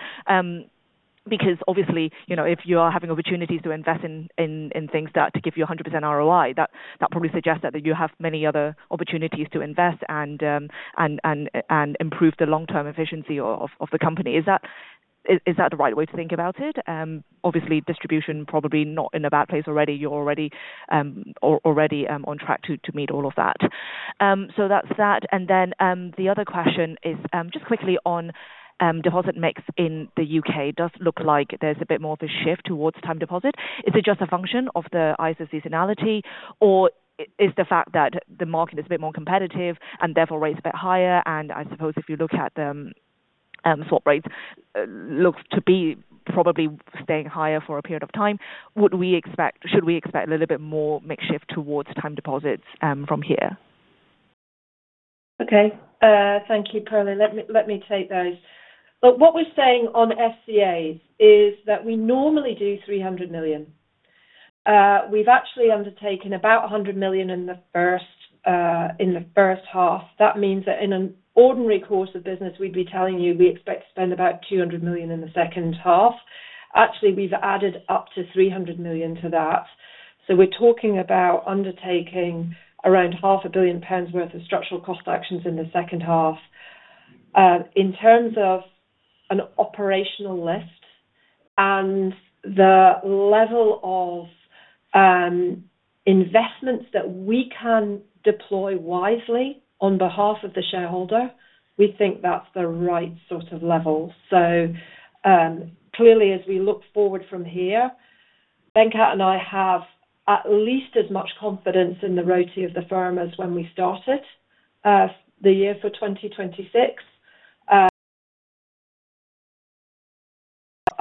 Obviously, if you are having opportunities to invest in things to give you 100% ROI, that probably suggests that you have many other opportunities to invest and improve the long-term efficiency of the company. Is that the right way to think about it? Obviously, distribution probably not in a bad place already. You're already on track to meet all of that. That's that. The other question is, just quickly on deposit mix in the U.K., does look like there's a bit more of a shift towards time deposit. Is it just a function of the ISA seasonality, or is the fact that the market is a bit more competitive and therefore rates are a bit higher, and I suppose if you look at the swap rates look to be probably staying higher for a period of time, should we expect a little bit more mix shift towards time deposits from here? Okay. Thank you, Perlie. Let me take those. What we're saying on SCAs is that we normally do 300 million. We've actually undertaken about 100 million in the first half. That means that in an ordinary course of business, we'd be telling you we expect to spend about 200 million in the second half. Actually, we've added up to 300 million to that. We're talking about undertaking around 500 million pounds worth of structural cost actions in the second half. In terms of an operational list and the level of investments that we can deploy wisely on behalf of the shareholder, we think that's the right sort of level. Clearly, as we look forward from here, Venkat and I have at least as much confidence in the RoTE of the firm as when we started the year for 2026.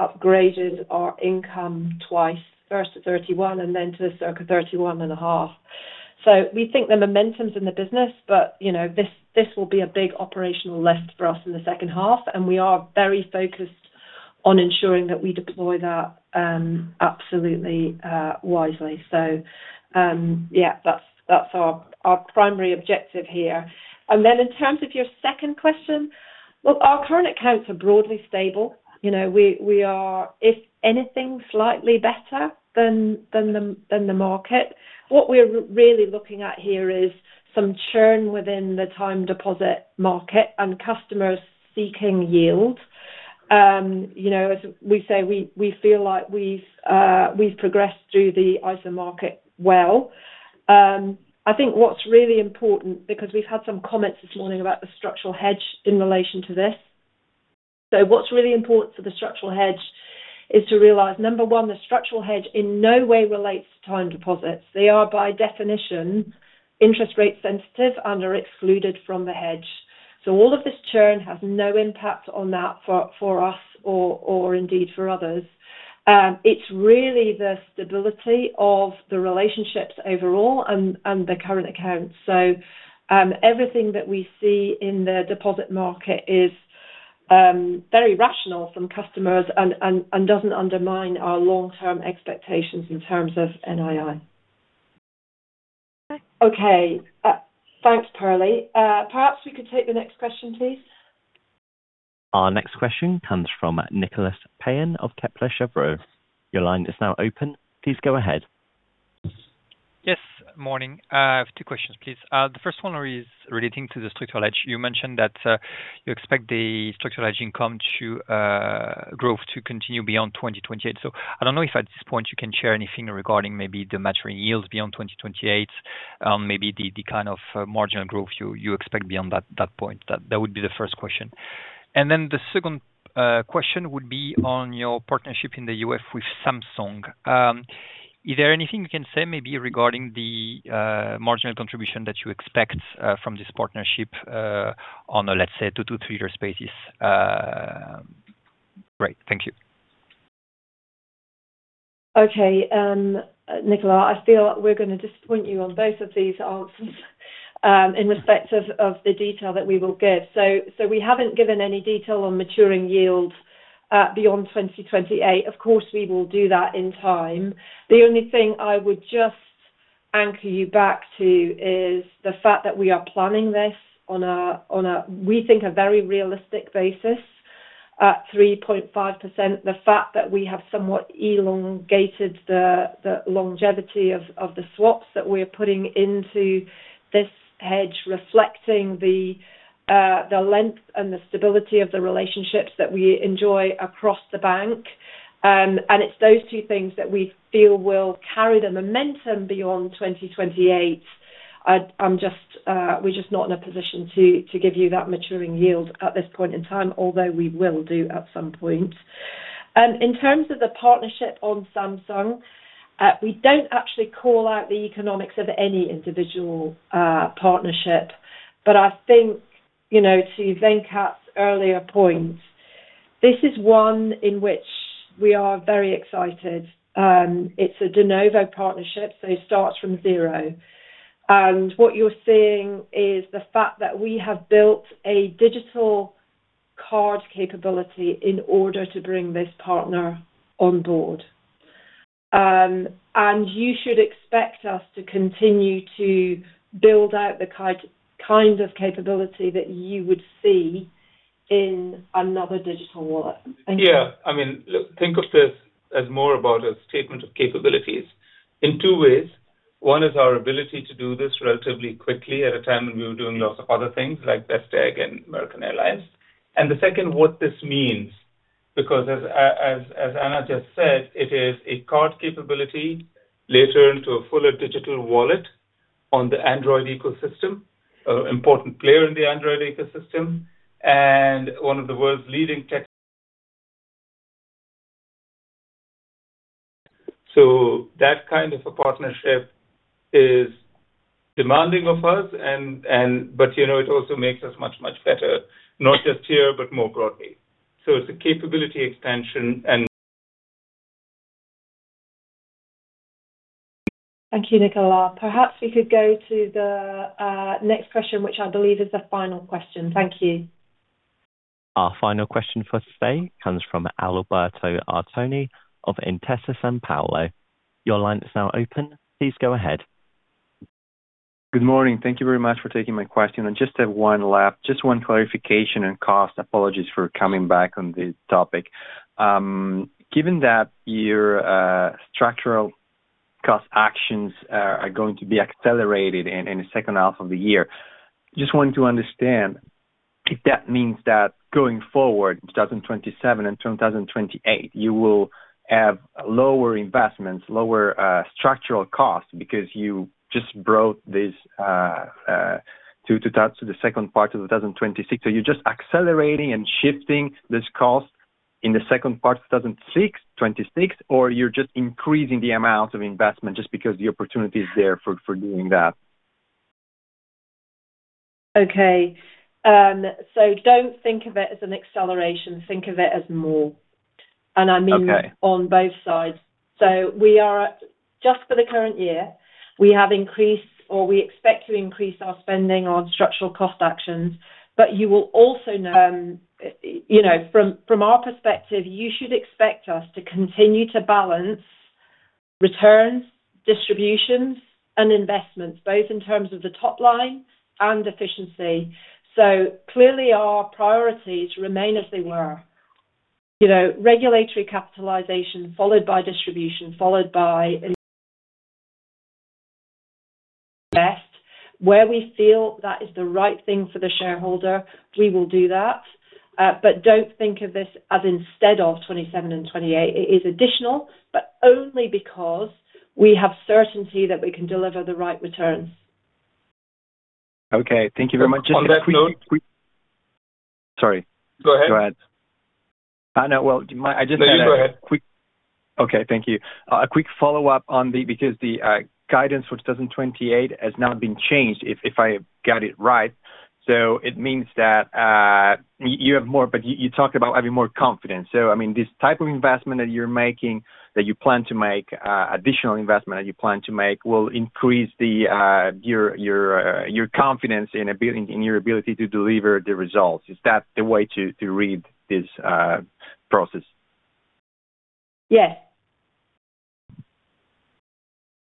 *inaudible* upgraded our income twice, first to 31 billion and then to the circa 31.5 billion. We think the momentum's in the business, but this will be a big operational lift for us in the second half, and we are very focused on ensuring that we deploy that absolutely wisely. Yeah, that's our primary objective here. In terms of your second question, well, our current accounts are broadly stable. We are, if anything, slightly better than the market. What we're really looking at here is some churn within the time deposit market and customers seeking yield. As we say, we feel like we've progressed through the ISA market well. I think what's really important, because we've had some comments this morning about the structural hedge in relation to this. What's really important for the structural hedge is to realize, number one, the structural hedge in no way relates to time deposits. They are, by definition, interest rate sensitive and are excluded from the hedge. All of this churn has no impact on that for us or indeed for others. It's really the stability of the relationships overall and the current account. Everything that we see in the deposit market is very rational from customers and doesn't undermine our long-term expectations in terms of NII. Okay. Thanks, Perlie. Perhaps we could take the next question, please. Our next question comes from Nicolas Payen of Kepler Cheuvreux. Your line is now open. Please go ahead. Yes, morning. I have two questions, please. The first one is relating to the structural hedge. You mentioned that you expect the structural hedge income growth to continue beyond 2028. I don't know if at this point you can share anything regarding maybe the maturing yields beyond 2028, maybe the kind of marginal growth you expect beyond that point. That would be the first question. The second question would be on your partnership in the U.S. with Samsung. Is there anything you can say maybe regarding the marginal contribution that you expect from this partnership on a, let's say, two to three year basis? Great. Thank you. Nicolas, I feel we're going to disappoint you on both of these answers in respect of the detail that we will give. We haven't given any detail on maturing yields beyond 2028. Of course, we will do that in time. The only thing I would just anchor you back to is the fact that we are planning this on a, we think, a very realistic basis at 3.5%. The fact that we have somewhat elongated the longevity of the swaps that we're putting into this hedge reflecting the length and the stability of the relationships that we enjoy across the bank. It's those two things that we feel will carry the momentum beyond 2028. We're just not in a position to give you that maturing yield at this point in time, although we will do at some point. In terms of the partnership on Samsung, we don't actually call out the economics of any individual partnership. I think, to Venkat's earlier point, this is one in which we are very excited. It's a de novo partnership, so it starts from zero. What you're seeing is the fact that we have built a digital card capability in order to bring this partner on board. You should expect us to continue to build out the kind of capability that you would see in another digital wallet. Think of this as more about a statement of capabilities in two ways. One is our ability to do this relatively quickly at a time when we were doing lots of other things, like Best Egg and American Airlines. The second, what this means, because as Anna just said, it is a card capability later into a fuller digital wallet on the Android ecosystem, important player in the Android ecosystem, and one of the world's leading tech. *inaudible* That kind of a partnership is demanding of us, but it also makes us much, much better, not just here, but more broadly. It's a capability expansion and *inaudible* Thank you, Nicolas. Perhaps we could go to the next question, which I believe is the final question. Thank you. Our final question for today comes from Alberto Artoni of Intesa Sanpaolo. Your line is now open. Please go ahead. Good morning. Thank you very much for taking my question. I just have one clarification on cost. Apologies for coming back on the topic. Given that your structural cost actions are going to be accelerated in the second half of the year, just wanted to understand if that means that going forward, 2027 and 2028, you will have lower investments, lower structural costs because you just brought this to the second part of 2026. You're just accelerating and shifting this cost in the second part of 2026, or you're just increasing the amount of investment just because the opportunity is there for doing that? Okay. Don't think of it as an acceleration, think of it as [moat]. Okay. I mean on both sides. We are at, just for the current year, we have increased or we expect to increase our spending on structural cost actions. You will also know from our perspective, you should expect us to continue to balance returns, distributions, and investments, both in terms of the top line and efficiency. Clearly our priorities remain as they were. Regulatory capitalization followed by distribution, followed by. *inaudible* Where we feel that is the right thing for the shareholder, we will do that. Don't think of this as instead of 2027 and 2028. It is additional, but only because we have certainty that we can deliver the right returns. Okay. Thank you very much. On that note— Sorry. Go ahead. Go ahead. Well, I just had a— No, you go ahead. Okay. Thank you. A quick follow-up. The guidance for 2028 has now been changed, if I got it right. It means that you have more, but you talked about having more confidence. This type of investment that you're making, that you plan to make, additional investment that you plan to make will increase your confidence in your ability to deliver the results. Is that the way to read this process? Yes.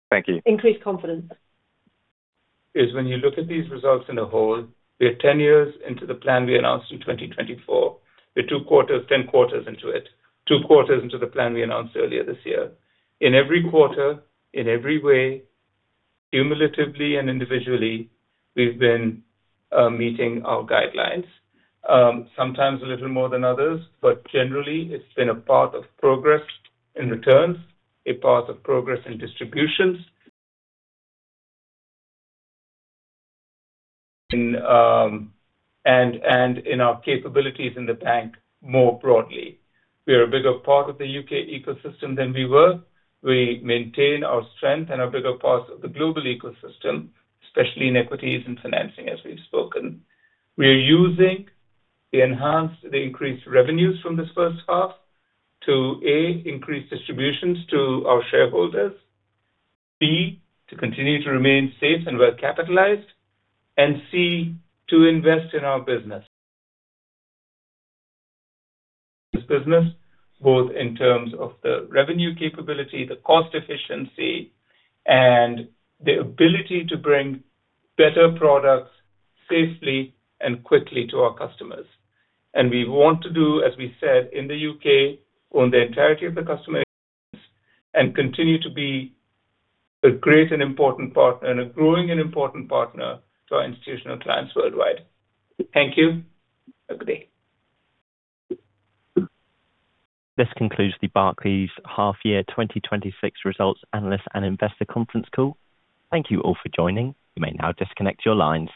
Thank you. Increased confidence. When you look at these results as a whole, we are 10 quarters into the plan we announced in 2024. We're 10 quarters into it, two quarters into the plan we announced earlier this year. In every quarter, in every way, cumulatively and individually, we've been meeting our guidelines. Sometimes a little more than others, but generally it's been a path of progress in returns, a path of progress in distributions and in our capabilities in the bank more broadly. We are a bigger part of the U.K. ecosystem than we were. We maintain our strength and are a bigger part of the global ecosystem, especially in equities and financing as we've spoken. We are using the enhanced, the increased revenues from this first half to, A, increase distributions to our shareholders, B, to continue to remain safe and well-capitalized, and C, to invest in our business. This business, both in terms of the revenue capability, the cost efficiency, and the ability to bring better products safely and quickly to our customers. We want to do, as we said, in the U.K., own the entirety of the customer and continue to be a great and important partner, and a growing and important partner to our institutional clients worldwide. Thank you. Agree. This concludes the Barclays half year 2026 results analyst and investor conference call. Thank you all for joining. You may now disconnect your lines.